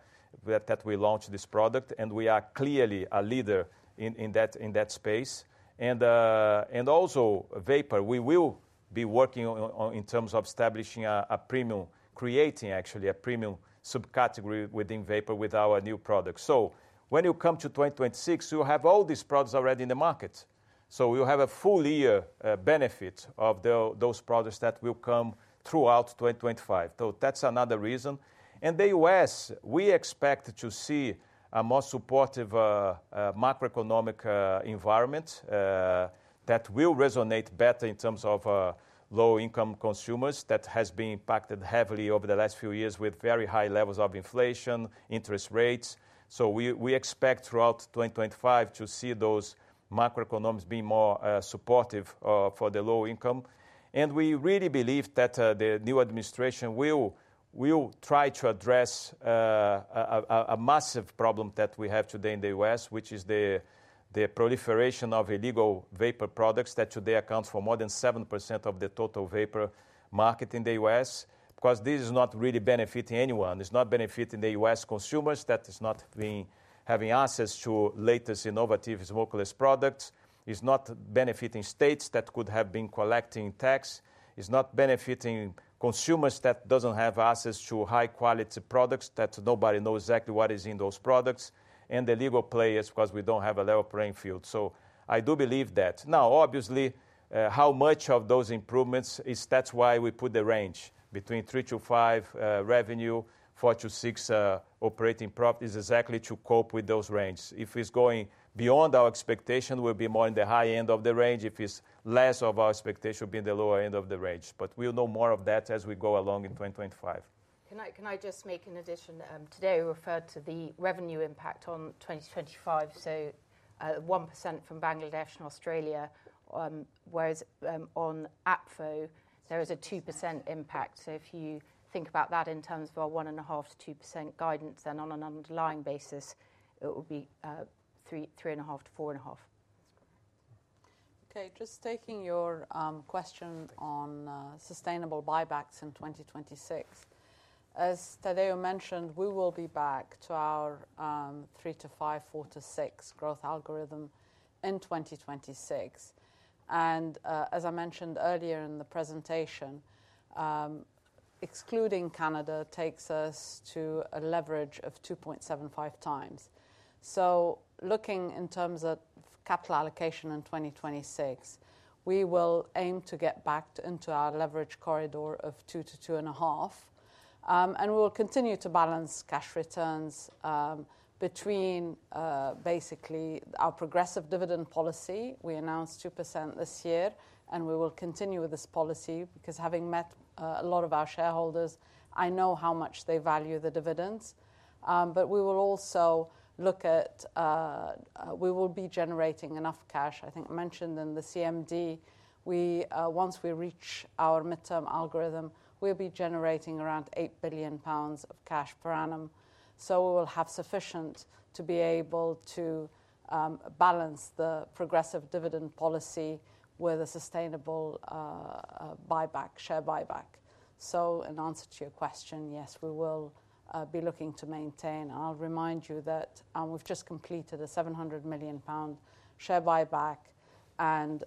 that we launch this product. And we are clearly a leader in that space. And also vapor, we will be working in terms of establishing a premium, creating actually a premium subcategory within vapor with our new product. So when you come to 2026, you'll have all these products already in the market. So we'll have a full year benefit of those products that will come throughout 2025. So that's another reason. And the U.S., we expect to see a more supportive macroeconomic environment that will resonate better in terms of low-income consumers that has been impacted heavily over the last few years with very high levels of inflation, interest rates. So we expect throughout 2025 to see those macroeconomics being more supportive for the low-income. And we really believe that the new administration will try to address a massive problem that we have today in the U.S., which is the proliferation of illegal vapor products that today accounts for more than 7% of the total vapor market in the U.S. because this is not really benefiting anyone. It's not benefiting the U.S. consumers that are not having access to latest innovative smokeless products. It's not benefiting states that could have been collecting tax. It's not benefiting consumers that don't have access to high-quality products that nobody knows exactly what is in those products. And the legal players because we don't have a level playing field. So I do believe that. Now, obviously, how much of those improvements is that's why we put the range between 3%-5% revenue, 4%-6% operating profit is exactly to cope with those ranges. If it's going beyond our expectation, we'll be more in the high end of the range. If it's less of our expectation, we'll be in the lower end of the range. But we'll know more of that as we go along in 2025. Can I just make an addition? Today, we referred to the revenue impact on 2025. So 1% from Bangladesh and Australia, whereas on APFO, there is a 2% impact. So if you think about that in terms of our 1.5%-2% guidance, then on an underlying basis, it will be 3.5%-4.5%. Okay. Just taking your question on sustainable buybacks in 2026, as Tadeu mentioned, we will be back to our 3%-5%, 4%-6% growth algorithm in 2026. And as I mentioned earlier in the presentation, excluding Canada takes us to a leverage of 2.75x. So looking in terms of capital allocation in 2026, we will aim to get back into our leverage corridor of 2%-2.5%. And we will continue to balance cash returns between basically our progressive dividend policy. We announced 2% this year, and we will continue with this policy because having met a lot of our shareholders, I know how much they value the dividends. But we will also look at we will be generating enough cash. I think I mentioned in the CMD, once we reach our midterm algorithm, we'll be generating around 8 billion pounds of cash per annum. So we will have sufficient to be able to balance the progressive dividend policy with a sustainable buyback, share buyback. So in answer to your question, yes, we will be looking to maintain. I'll remind you that we've just completed a 700 million pound share buyback, and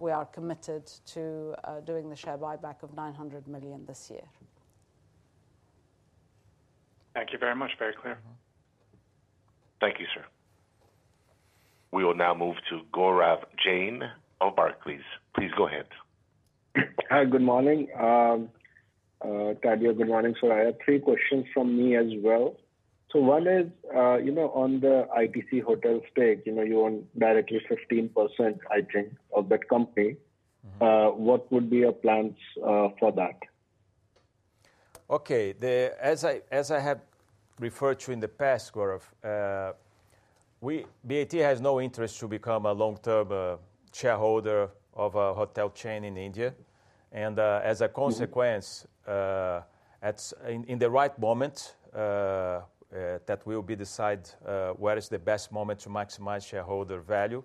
we are committed to doing the share buyback of 900 million this year. Thank you very much. Very clear. Thank you, sir. We will now move to Gaurav Jain, please. Please go ahead. Hi, good morning. Tadeu, good morning, Soraya. Three questions from me as well. So one is, you know, on the ITC Hotels stake, you own directly 15%, I think, of that company. What would be your plans for that? Okay. As I have referred to in the past, Gaurav, BAT has no interest to become a long-term shareholder of a hotel chain in India. And as a consequence, in the right moment that will be decided where is the best moment to maximize shareholder value,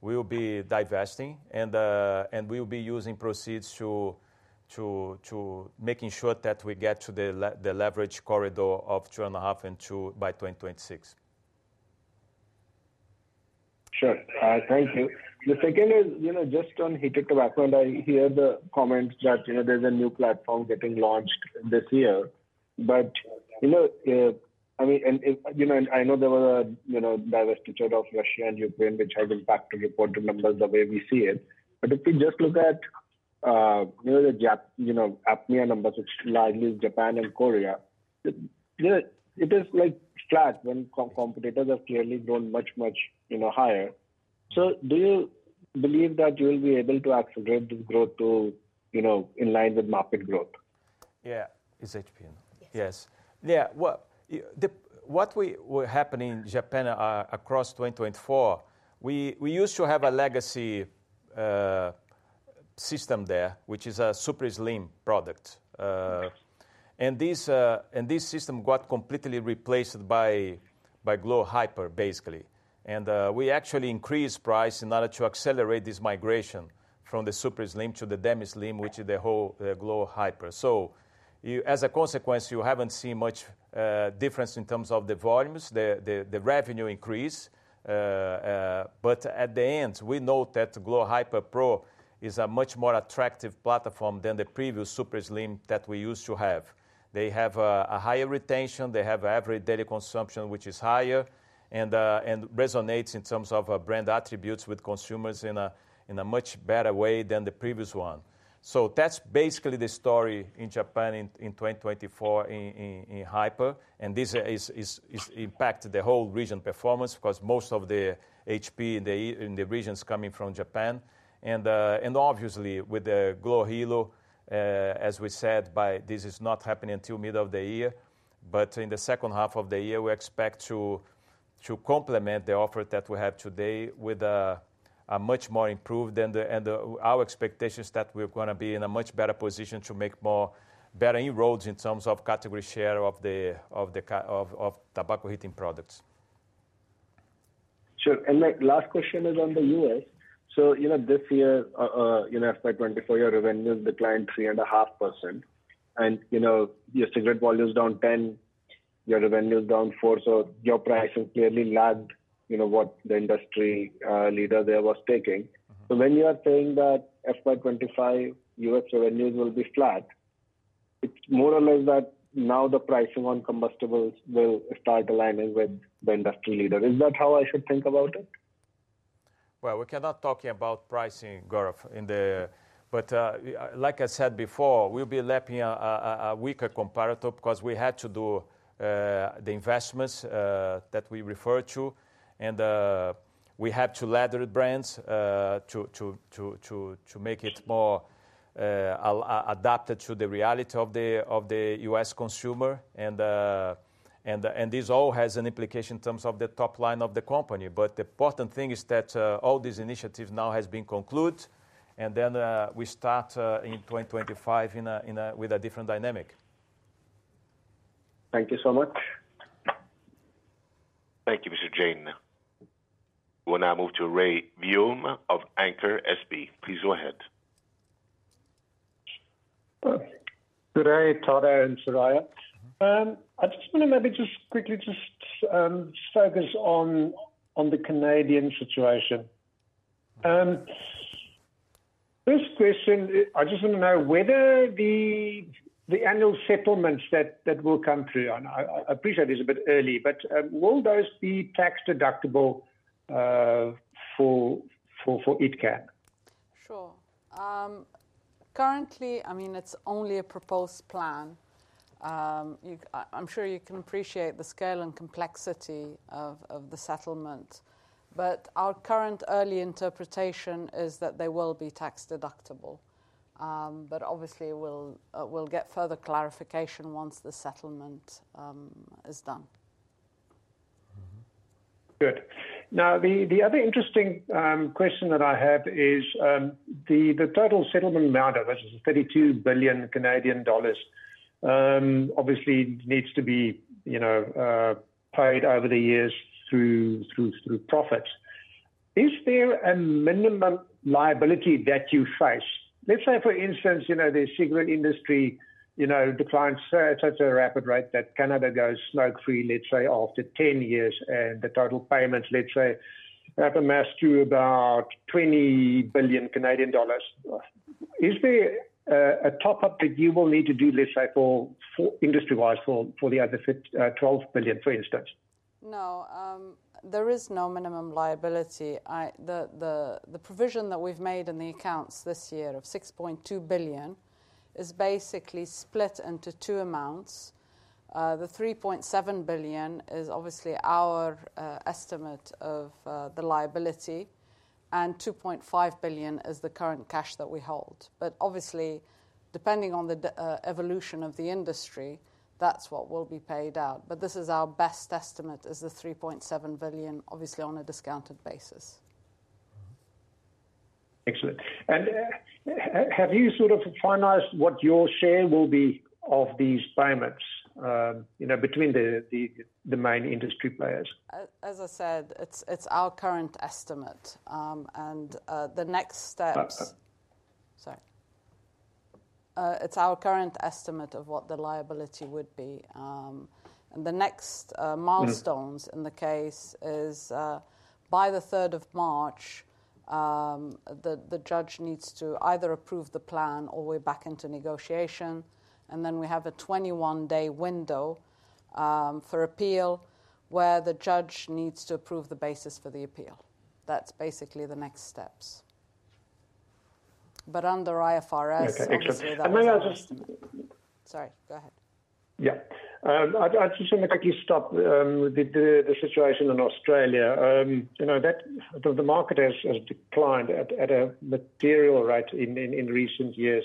we will be divesting and we will be using proceeds to making sure that we get to the leverage corridor of 2.5% by 2026. Sure. Thank you. The second is, you know, just on heated tobacco, and I hear the comments that, you know, there's a new platform getting launched this year. But, you know, I mean, and I know there was a divestiture of Russia and Ukraine, which has impacted reported numbers the way we see it. But if we just look at, you know, the APMEA numbers, which largely is Japan and Korea, you know, it is like flat when competitors have clearly grown much, much, you know, higher. So do you believe that you will be able to accelerate this growth to, you know, in line with market growth? Yeah. Is HP? Yes. Yeah. What happened in Japan across 2024, we used to have a legacy system there, which is a Super Slims product. And this system got completely replaced by glo Hyper, basically. And we actually increased price in order to accelerate this migration from the Super Slims to the Demi Slim, which is the whole glo Hyper. So as a consequence, you haven't seen much difference in terms of the volumes, the revenue increase. But at the end, we know that glo Hyper Pro is a much more attractive platform than the previous Super Slims that we used to have. They have a higher retention. They have an average daily consumption, which is higher and resonates in terms of brand attributes with consumers in a much better way than the previous one. So that's basically the story in Japan in 2024 in Hyper. And this impacts the whole region performance because most of the HP in the regions coming from Japan. And obviously, with the glo Hilo, as we said, this is not happening until the middle of the year. But in the second half of the year, we expect to complement the offer that we have today with a much more improved and our expectation is that we're going to be in a much better position to make more better inroads in terms of category share of the tobacco heating products. Sure. And the last question is on the U.S. So, you know, this year, you know, after 2024, your revenue has declined 3.5%. And, you know, your cigarette volume is down 10%. Your revenue is down 4%. So your price has clearly lagged, you know, what the industry leader there was taking. So when you are saying that FY 2025 U.S. revenues will be flat, it's more or less that now the pricing on combustibles will start aligning with the industry leader. Is that how I should think about it? Well, we cannot talk about pricing, Gaurav, in the. But like I said before, we'll be lapping a weaker comparator because we had to do the investments that we referred to. And we had to ladder brands to make it more adapted to the reality of the U.S. consumer. And this all has an implication in terms of the top line of the company. But the important thing is that all these initiatives now have been concluded. And then we start in 2025 with a different dynamic. Thank you so much. Thank you, Mr. Jain. We will now move to Rey Wium of Anchor Stockbrokers. Please go ahead. Good day, Tadeu and Soraya. I just want to maybe quickly focus on the Canadian situation. First question, I just want to know whether the annual settlements that will come through, and I appreciate it's a bit early, but will those be tax deductible for BAT Canada? Sure. Currently, I mean, it's only a proposed plan. I'm sure you can appreciate the scale and complexity of the settlement. But our current early interpretation is that they will be tax deductible. But obviously, we'll get further clarification once the settlement is done. Good. Now, the other interesting question that I have is the total settlement amount of it is 32 billion Canadian dollars. Obviously, it needs to be, you know, paid over the years through profits. Is there a minimum liability that you face? Let's say, for instance, you know, the cigarette industry, you know, declines at such a rapid rate that Canada goes smoke-free, let's say, after 10 years, and the total payments, let's say, have amassed to about 20 billion Canadian dollars. Is there a top-up that you will need to do, let's say, for industry-wise for the other 12 billion, for instance? No, there is no minimum liability. The provision that we've made in the accounts this year of 6.2 billion is basically split into two amounts. The 3.7 billion is obviously our estimate of the liability, and 2.5 billion is the current cash that we hold. But obviously, depending on the evolution of the industry, that's what will be paid out. But this is our best estimate is the 3.7 billion, obviously on a discounted basis. Excellent. And have you sort of finalized what your share will be of these payments, you know, between the main industry players? As I said, it's our current estimate. It's our current estimate of what the liability would be. And the next milestones in the case is by the 3rd of March, the judge needs to either approve the plan or we're back into negotiation. And then we have a 21-day window for appeal where the judge needs to approve the basis for the appeal. That's basically the next steps. But under IFRS, we'll do that. Sorry, go ahead. Yeah. I just want to quickly touch on the situation in Australia. You know, the market has declined at a material rate in recent years.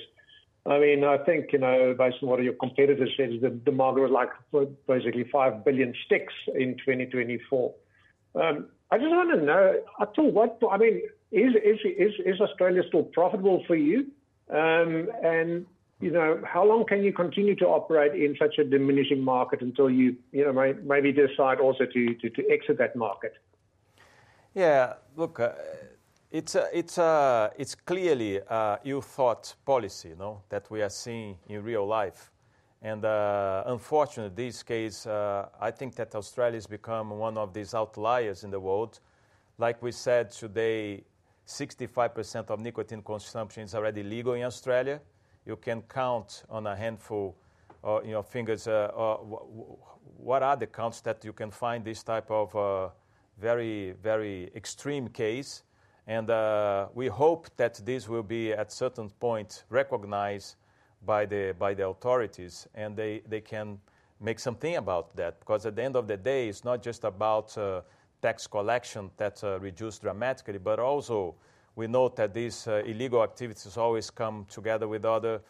I mean, I think, you know, based on what your competitors said, the market was like basically five billion sticks in 2024. I just want to know up to what, I mean, is Australia still profitable for you? And, you know, how long can you continue to operate in such a diminishing market until you, you know, maybe decide also to exit that market? Yeah. Look, it's clearly the youth tobacco policy, you know, that we are seeing in real life. And unfortunately, in this case, I think that Australia has become one of these outliers in the world. Like we said today, 65% of nicotine consumption is already legal in Australia. You can count on a handful of your fingers what are the countries that you can find this type of very, very extreme case. And we hope that this will be at a certain point recognized by the authorities and they can make something about that. Because at the end of the day, it's not just about tax collection that's reduced dramatically, but also we know that these illegal activities always come together with other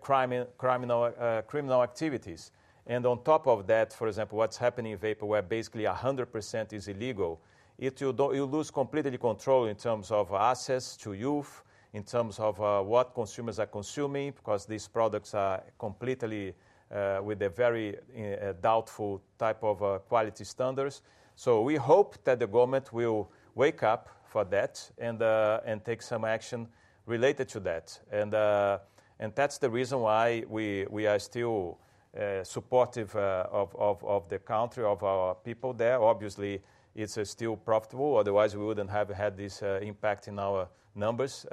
criminal activities. And on top of that, for example, what's happening in vapor, where basically 100% is illegal, you lose completely control in terms of access to youth, in terms of what consumers are consuming because these products are completely with a very doubtful type of quality standards. So we hope that the government will wake up for that and take some action related to that. And that's the reason why we are still supportive of the country, of our people there. Obviously, it's still profitable. Otherwise, we wouldn't have had this impact in our numbers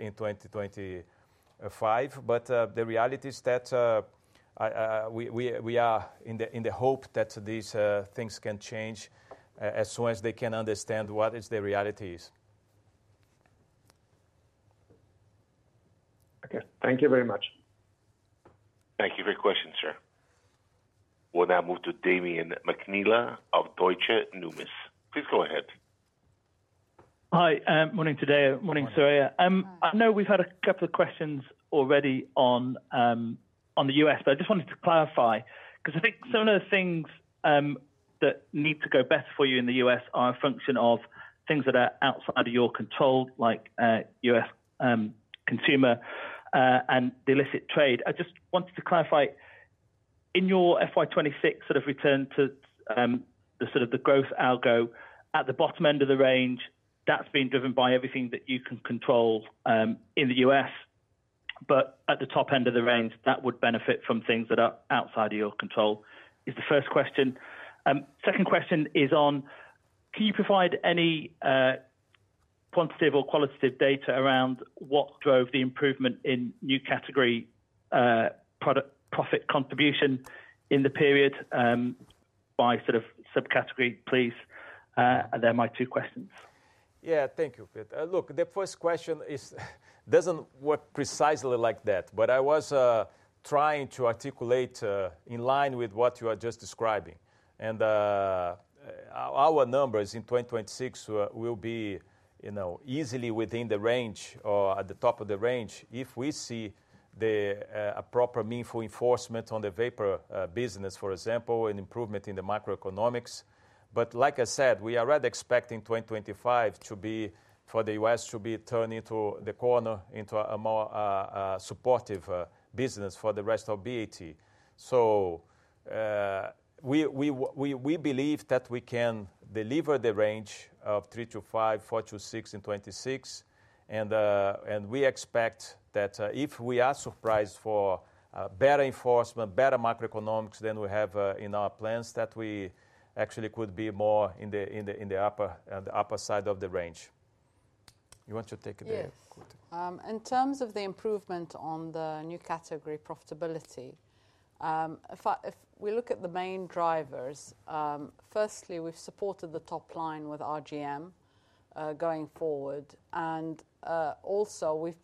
in 2025. But the reality is that we are in the hope that these things can change as soon as they can understand what the reality is. Okay. Thank you very much. Thank you. Great question, sir. We'll now move to Damian McNeela of Deutsche Numis. Please go ahead. Hi. Morning, Tadeu. Morning, Soraya. I know we've had a couple of questions already on the U.S., but I just wanted to clarify because I think some of the things that need to go better for you in the U.S. are a function of things that are outside of your control, like U.S. consumer and the illicit trade. I just wanted to clarify in your FY 2026 sort of return to the sort of the growth algo at the bottom end of the range, that's being driven by everything that you can control in the U.S. But at the top end of the range, that would benefit from things that are outside of your control is the first question. Second question is on, can you provide any quantitative or qualitative data around what drove the improvement in new category profit contribution in the period by sort of subcategory, please? And they're my two questions. Yeah. Thank you, Damian. Look, the first question doesn't work precisely like that, but I was trying to articulate in line with what you are just describing. And our numbers in 2026 will be, you know, easily within the range or at the top of the range if we see a proper meaningful enforcement on the vapor business, for example, an improvement in the macroeconomics. But like I said, we are already expecting 2025 to be for the U.S. to be turning to the corner into a more supportive business for the rest of BAT. So we believe that we can deliver the range of 3-5, 4-6 in 2026. And we expect that if we are surprised for better enforcement, better macroeconomics than we have in our plans, that we actually could be more in the upper side of the range. You want to take it there. In terms of the improvement on the new category profitability, if we look at the main drivers, firstly, we've supported the top line with RGM going forward. And also, we've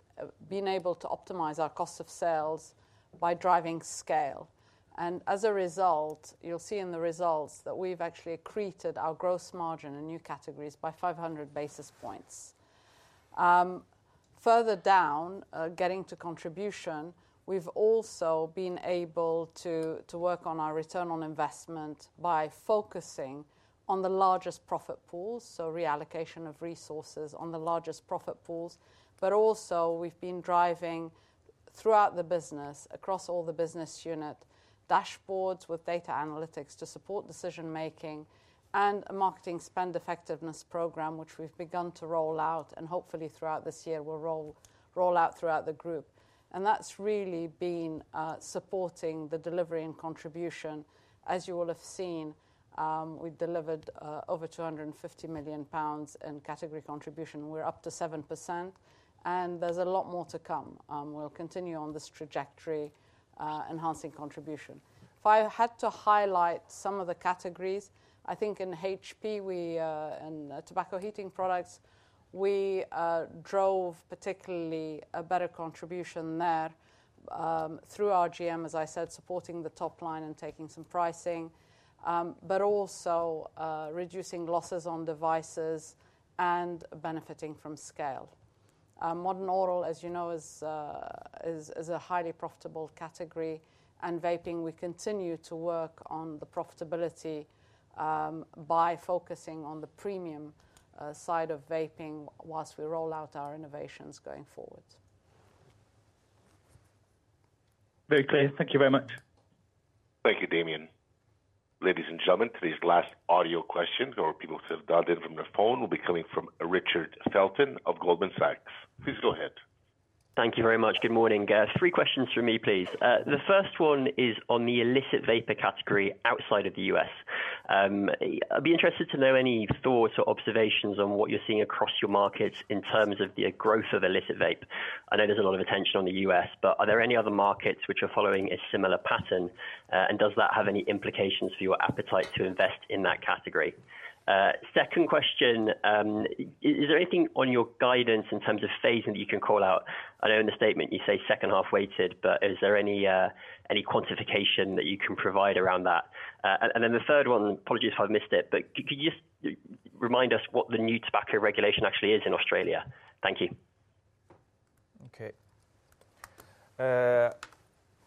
been able to optimize our cost of sales by driving scale. And as a result, you'll see in the results that we've actually accreted our gross margin in new categories by 500 basis points. Further down, getting to contribution, we've also been able to work on our return on investment by focusing on the largest profit pools, so reallocation of resources on the largest profit pools. But also, we've been driving throughout the business, across all the business unit dashboards with data analytics to support decision-making and a marketing spend effectiveness program, which we've begun to roll out and hopefully throughout this year will roll out throughout the group. And that's really been supporting the delivery and contribution. As you will have seen, we've delivered over 250 million pounds in category contribution. We're up to 7%. And there's a lot more to come. We'll continue on this trajectory enhancing contribution. If I had to highlight some of the categories, I think in HP and heated tobacco products, we drove particularly a better contribution there through RGM, as I said, supporting the top line and taking some pricing, but also reducing losses on devices and benefiting from scale. Modern Oral, as you know, is a highly profitable category. And vaping, we continue to work on the profitability by focusing on the premium side of vaping while we roll out our innovations going forward. Very clear. Thank you very much. Thank you, Damian. Ladies and gentlemen, today's last audio question, or people who have dialed in from their phone, will be coming from Richard Felton of Goldman Sachs. Please go ahead. Thank you very much. Good morning. Three questions from me, please. The first one is on the illicit vapor category outside of the U.S. I'd be interested to know any thoughts or observations on what you're seeing across your markets in terms of the growth of illicit vape. I know there's a lot of attention on the U.S., but are there any other markets which are following a similar pattern? And does that have any implications for your appetite to invest in that category? Second question, is there anything on your guidance in terms of phasing that you can call out? I know in the statement you say second half weighted, but is there any quantification that you can provide around that? And then the third one, apologies if I've missed it, but could you just remind us what the new tobacco regulation actually is in Australia? Thank you. Okay.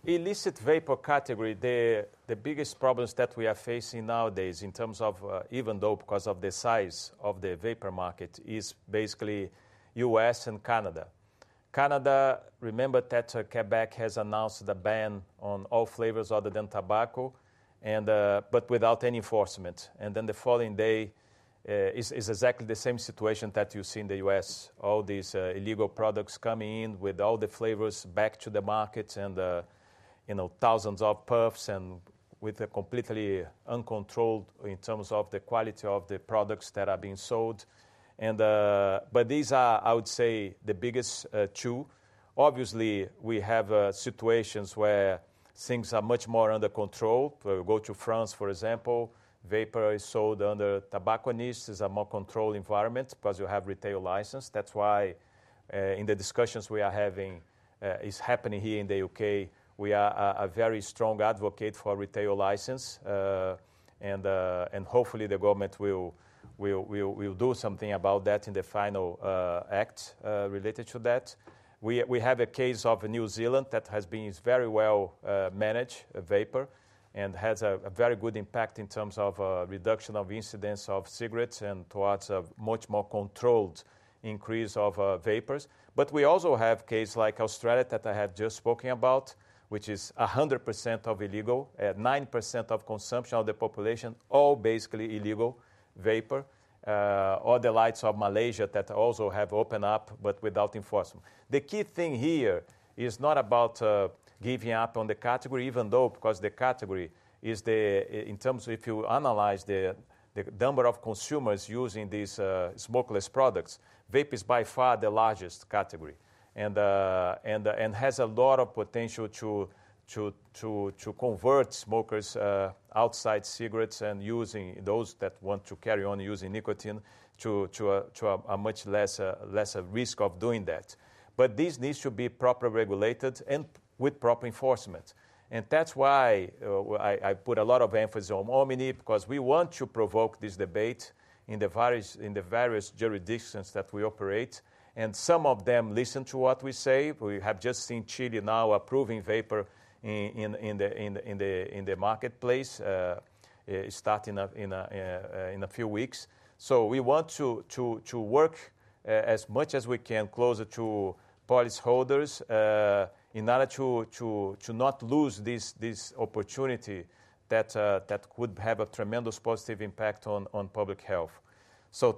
Illicit vapor category, the biggest problems that we are facing nowadays in terms of, even though because of the size of the vapor market, is basically U.S. and Canada. Canada, remember that Quebec has announced the ban on all flavors other than tobacco, but without any enforcement. And then the following day is exactly the same situation that you see in the U.S., all these illegal products coming in with all the flavors back to the market and, you know, thousands of puffs and with a completely uncontrolled in terms of the quality of the products that are being sold. But these are, I would say, the biggest two. Obviously, we have situations where things are much more under control. Go to France, for example, vapor is sold under tobacco niche. This is a more controlled environment because you have retail license. That's why in the discussions we are having, it's happening here in the U.K., we are a very strong advocate for retail license, and hopefully, the government will do something about that in the final act related to that. We have a case of New Zealand that has been very well managed, vapor, and has a very good impact in terms of reduction of incidence of cigarettes and towards a much more controlled increase of vapors, but we also have cases like Australia that I had just spoken about, which is 100% of illegal, 9% of consumption of the population, all basically illegal vapor, or the likes of Malaysia that also have opened up, but without enforcement. The key thing here is not about giving up on the category, even though because the category is the, in terms of if you analyze the number of consumers using these smokeless products, vape is by far the largest category and has a lot of potential to convert smokers outside cigarettes and using those that want to carry on using nicotine to a much lesser risk of doing that. But this needs to be properly regulated and with proper enforcement. And that's why I put a lot of emphasis on Omni because we want to provoke this debate in the various jurisdictions that we operate. And some of them listen to what we say. We have just seen Chile now approving vapor in the marketplace starting in a few weeks. We want to work as much as we can closer to policymakers in order to not lose this opportunity that could have a tremendous positive impact on public health.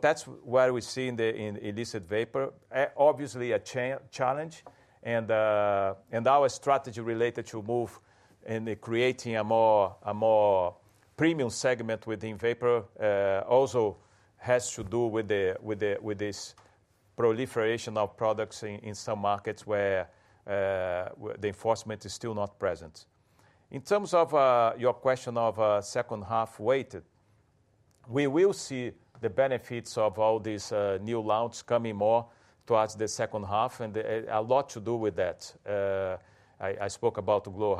That's where we see the illicit vapor, obviously a challenge. Our strategy related to move and creating a more premium segment within vapor also has to do with this proliferation of products in some markets where the enforcement is still not present. In terms of your question of second-half weighted, we will see the benefits of all these new launches coming more towards the second half and a lot to do with that. I spoke about the glo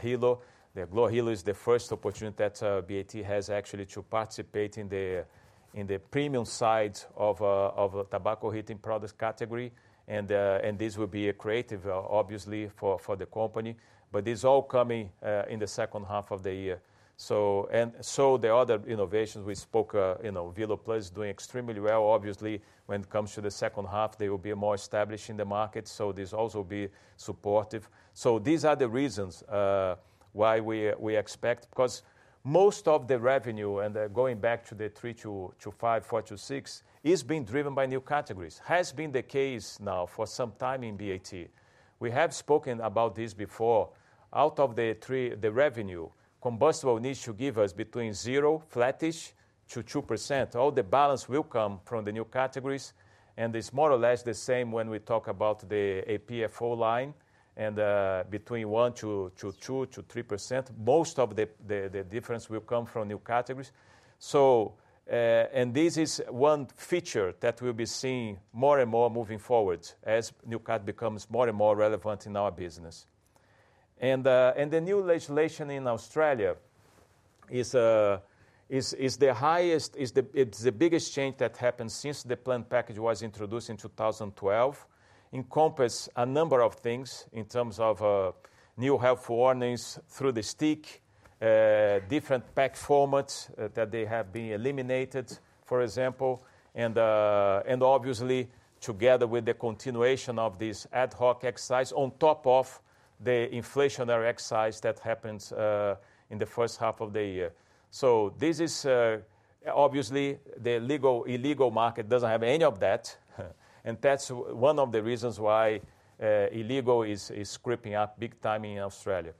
Hilo. The glo Hilo is the first opportunity that BAT has actually to participate in the premium side of tobacco heating products category. This will be accretive, obviously, for the company. But this is all coming in the second half of the year. And so the other innovations we spoke, you know, Velo Plus is doing extremely well. Obviously, when it comes to the second half, they will be more established in the market. So this also will be supportive. So these are the reasons why we expect because most of the revenue, and going back to the 3%-5%, 4%-6%, is being driven by new categories, has been the case now for some time in BAT. We have spoken about this before. Out of the revenue, combustible needs to give us between zero, flattish to 2%. All the balance will come from the new categories. And it's more or less the same when we talk about the APFO line and between 1%-3%. Most of the difference will come from new categories. This is one feature that we'll be seeing more and more moving forward as new categories become more and more relevant in our business. The new legislation in Australia is the highest, it's the biggest change that happened since the plain packaging was introduced in 2012. It encompasses a number of things in terms of new health warnings through the stick, different pack formats that have been eliminated, for example. Obviously, together with the continuation of this ad hoc excise on top of the inflationary excise that happened in the first half of the year. This is obviously the legal/illegal market doesn't have any of that. That's one of the reasons why illegal is creeping up big time in Australia.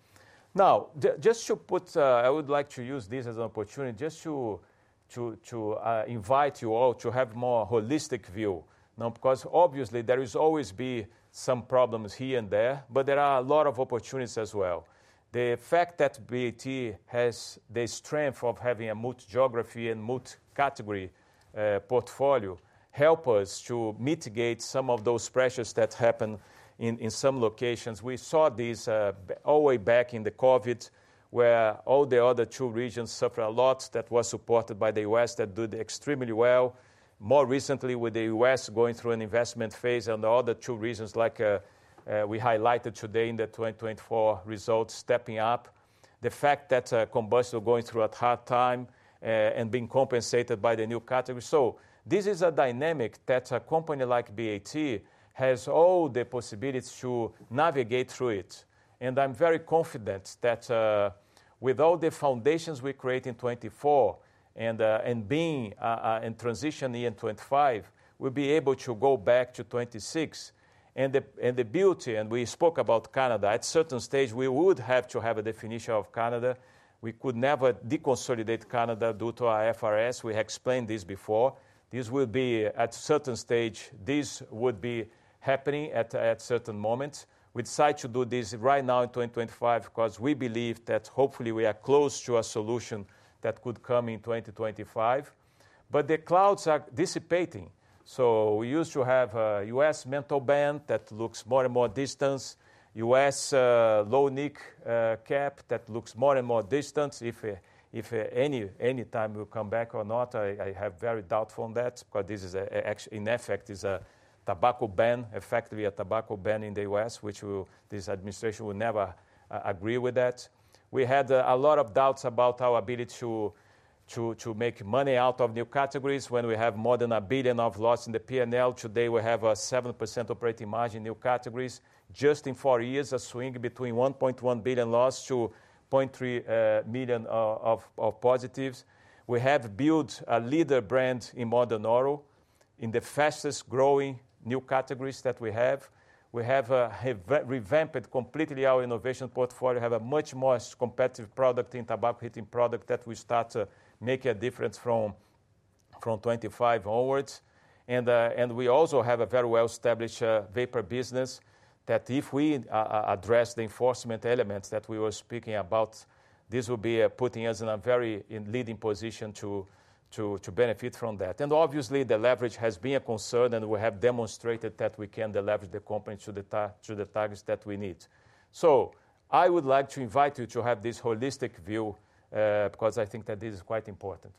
Now, just to put, I would like to use this as an opportunity just to invite you all to have a more holistic view. Now, because obviously there will always be some problems here and there, but there are a lot of opportunities as well. The fact that BAT has the strength of having a multi-geography and multi-category portfolio helps us to mitigate some of those pressures that happen in some locations. We saw this all the way back in the COVID where all the other two regions suffered a lot that were supported by the U.S. that did extremely well. More recently, with the U.S. going through an investment phase and the other two regions like we highlighted today in the 2024 results stepping up, the fact that combustible going through a hard time and being compensated by the new category. So this is a dynamic that a company like BAT has all the possibilities to navigate through it. I'm very confident that with all the foundations we create in 2024 and being in transition in 2025, we'll be able to go back to 2026. The beauty, and we spoke about Canada, at a certain stage we would have to have a deconsolidation of Canada. We could never deconsolidate Canada due to our FRS. We have explained this before. This will be at a certain stage, this would be happening at a certain moment. We decide to do this right now in 2025 because we believe that hopefully we are close to a solution that could come in 2025. The clouds are dissipating. We used to have a U.S. menthol ban that looks more and more distant, U.S. low-nic cap that looks more and more distant. If any time will come back or not, I have very doubtful on that because this is actually in effect is a tobacco ban, effectively a tobacco ban in the U.S., which this administration will never agree with that. We had a lot of doubts about our ability to make money out of new categories when we have more than 1 billion of loss in the P&L. Today, we have a 7% operating margin in new categories. Just in four years, a swing between 1.1 billion loss to 0.3 million of positives. We have built a leader brand in Modern Oral, in the fastest growing new categories that we have. We have revamped completely our innovation portfolio, have a much more competitive product in heated tobacco product that we start to make a difference from 2025 onwards. And we also have a very well-established vapor business that if we address the enforcement elements that we were speaking about, this will be putting us in a very leading position to benefit from that. And obviously, the leverage has been a concern and we have demonstrated that we can leverage the company to the targets that we need. So I would like to invite you to have this holistic view because I think that this is quite important.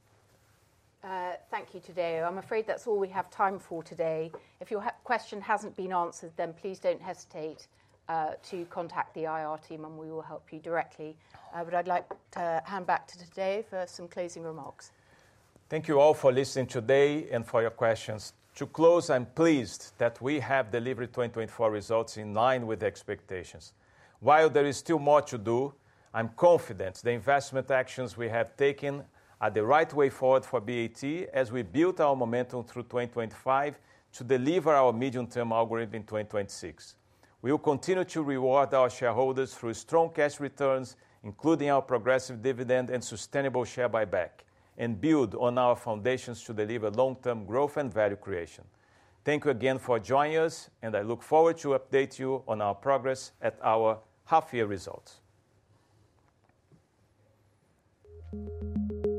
Thank you, Tadeu. I'm afraid that's all we have time for today. If your question hasn't been answered, then please don't hesitate to contact the IR team and we will help you directly. But I'd like to hand back to Tadeu for some closing remarks. Thank you all for listening today and for your questions. To close, I'm pleased that we have delivered 2024 results in line with expectations. While there is still more to do, I'm confident the investment actions we have taken are the right way forward for BAT as we build our momentum through 2025 to deliver our medium-term algorithm in 2026. We will continue to reward our shareholders through strong cash returns, including our progressive dividend and sustainable share buyback, and build on our foundations to deliver long-term growth and value creation. Thank you again for joining us, and I look forward to update you on our progress at our half-year results.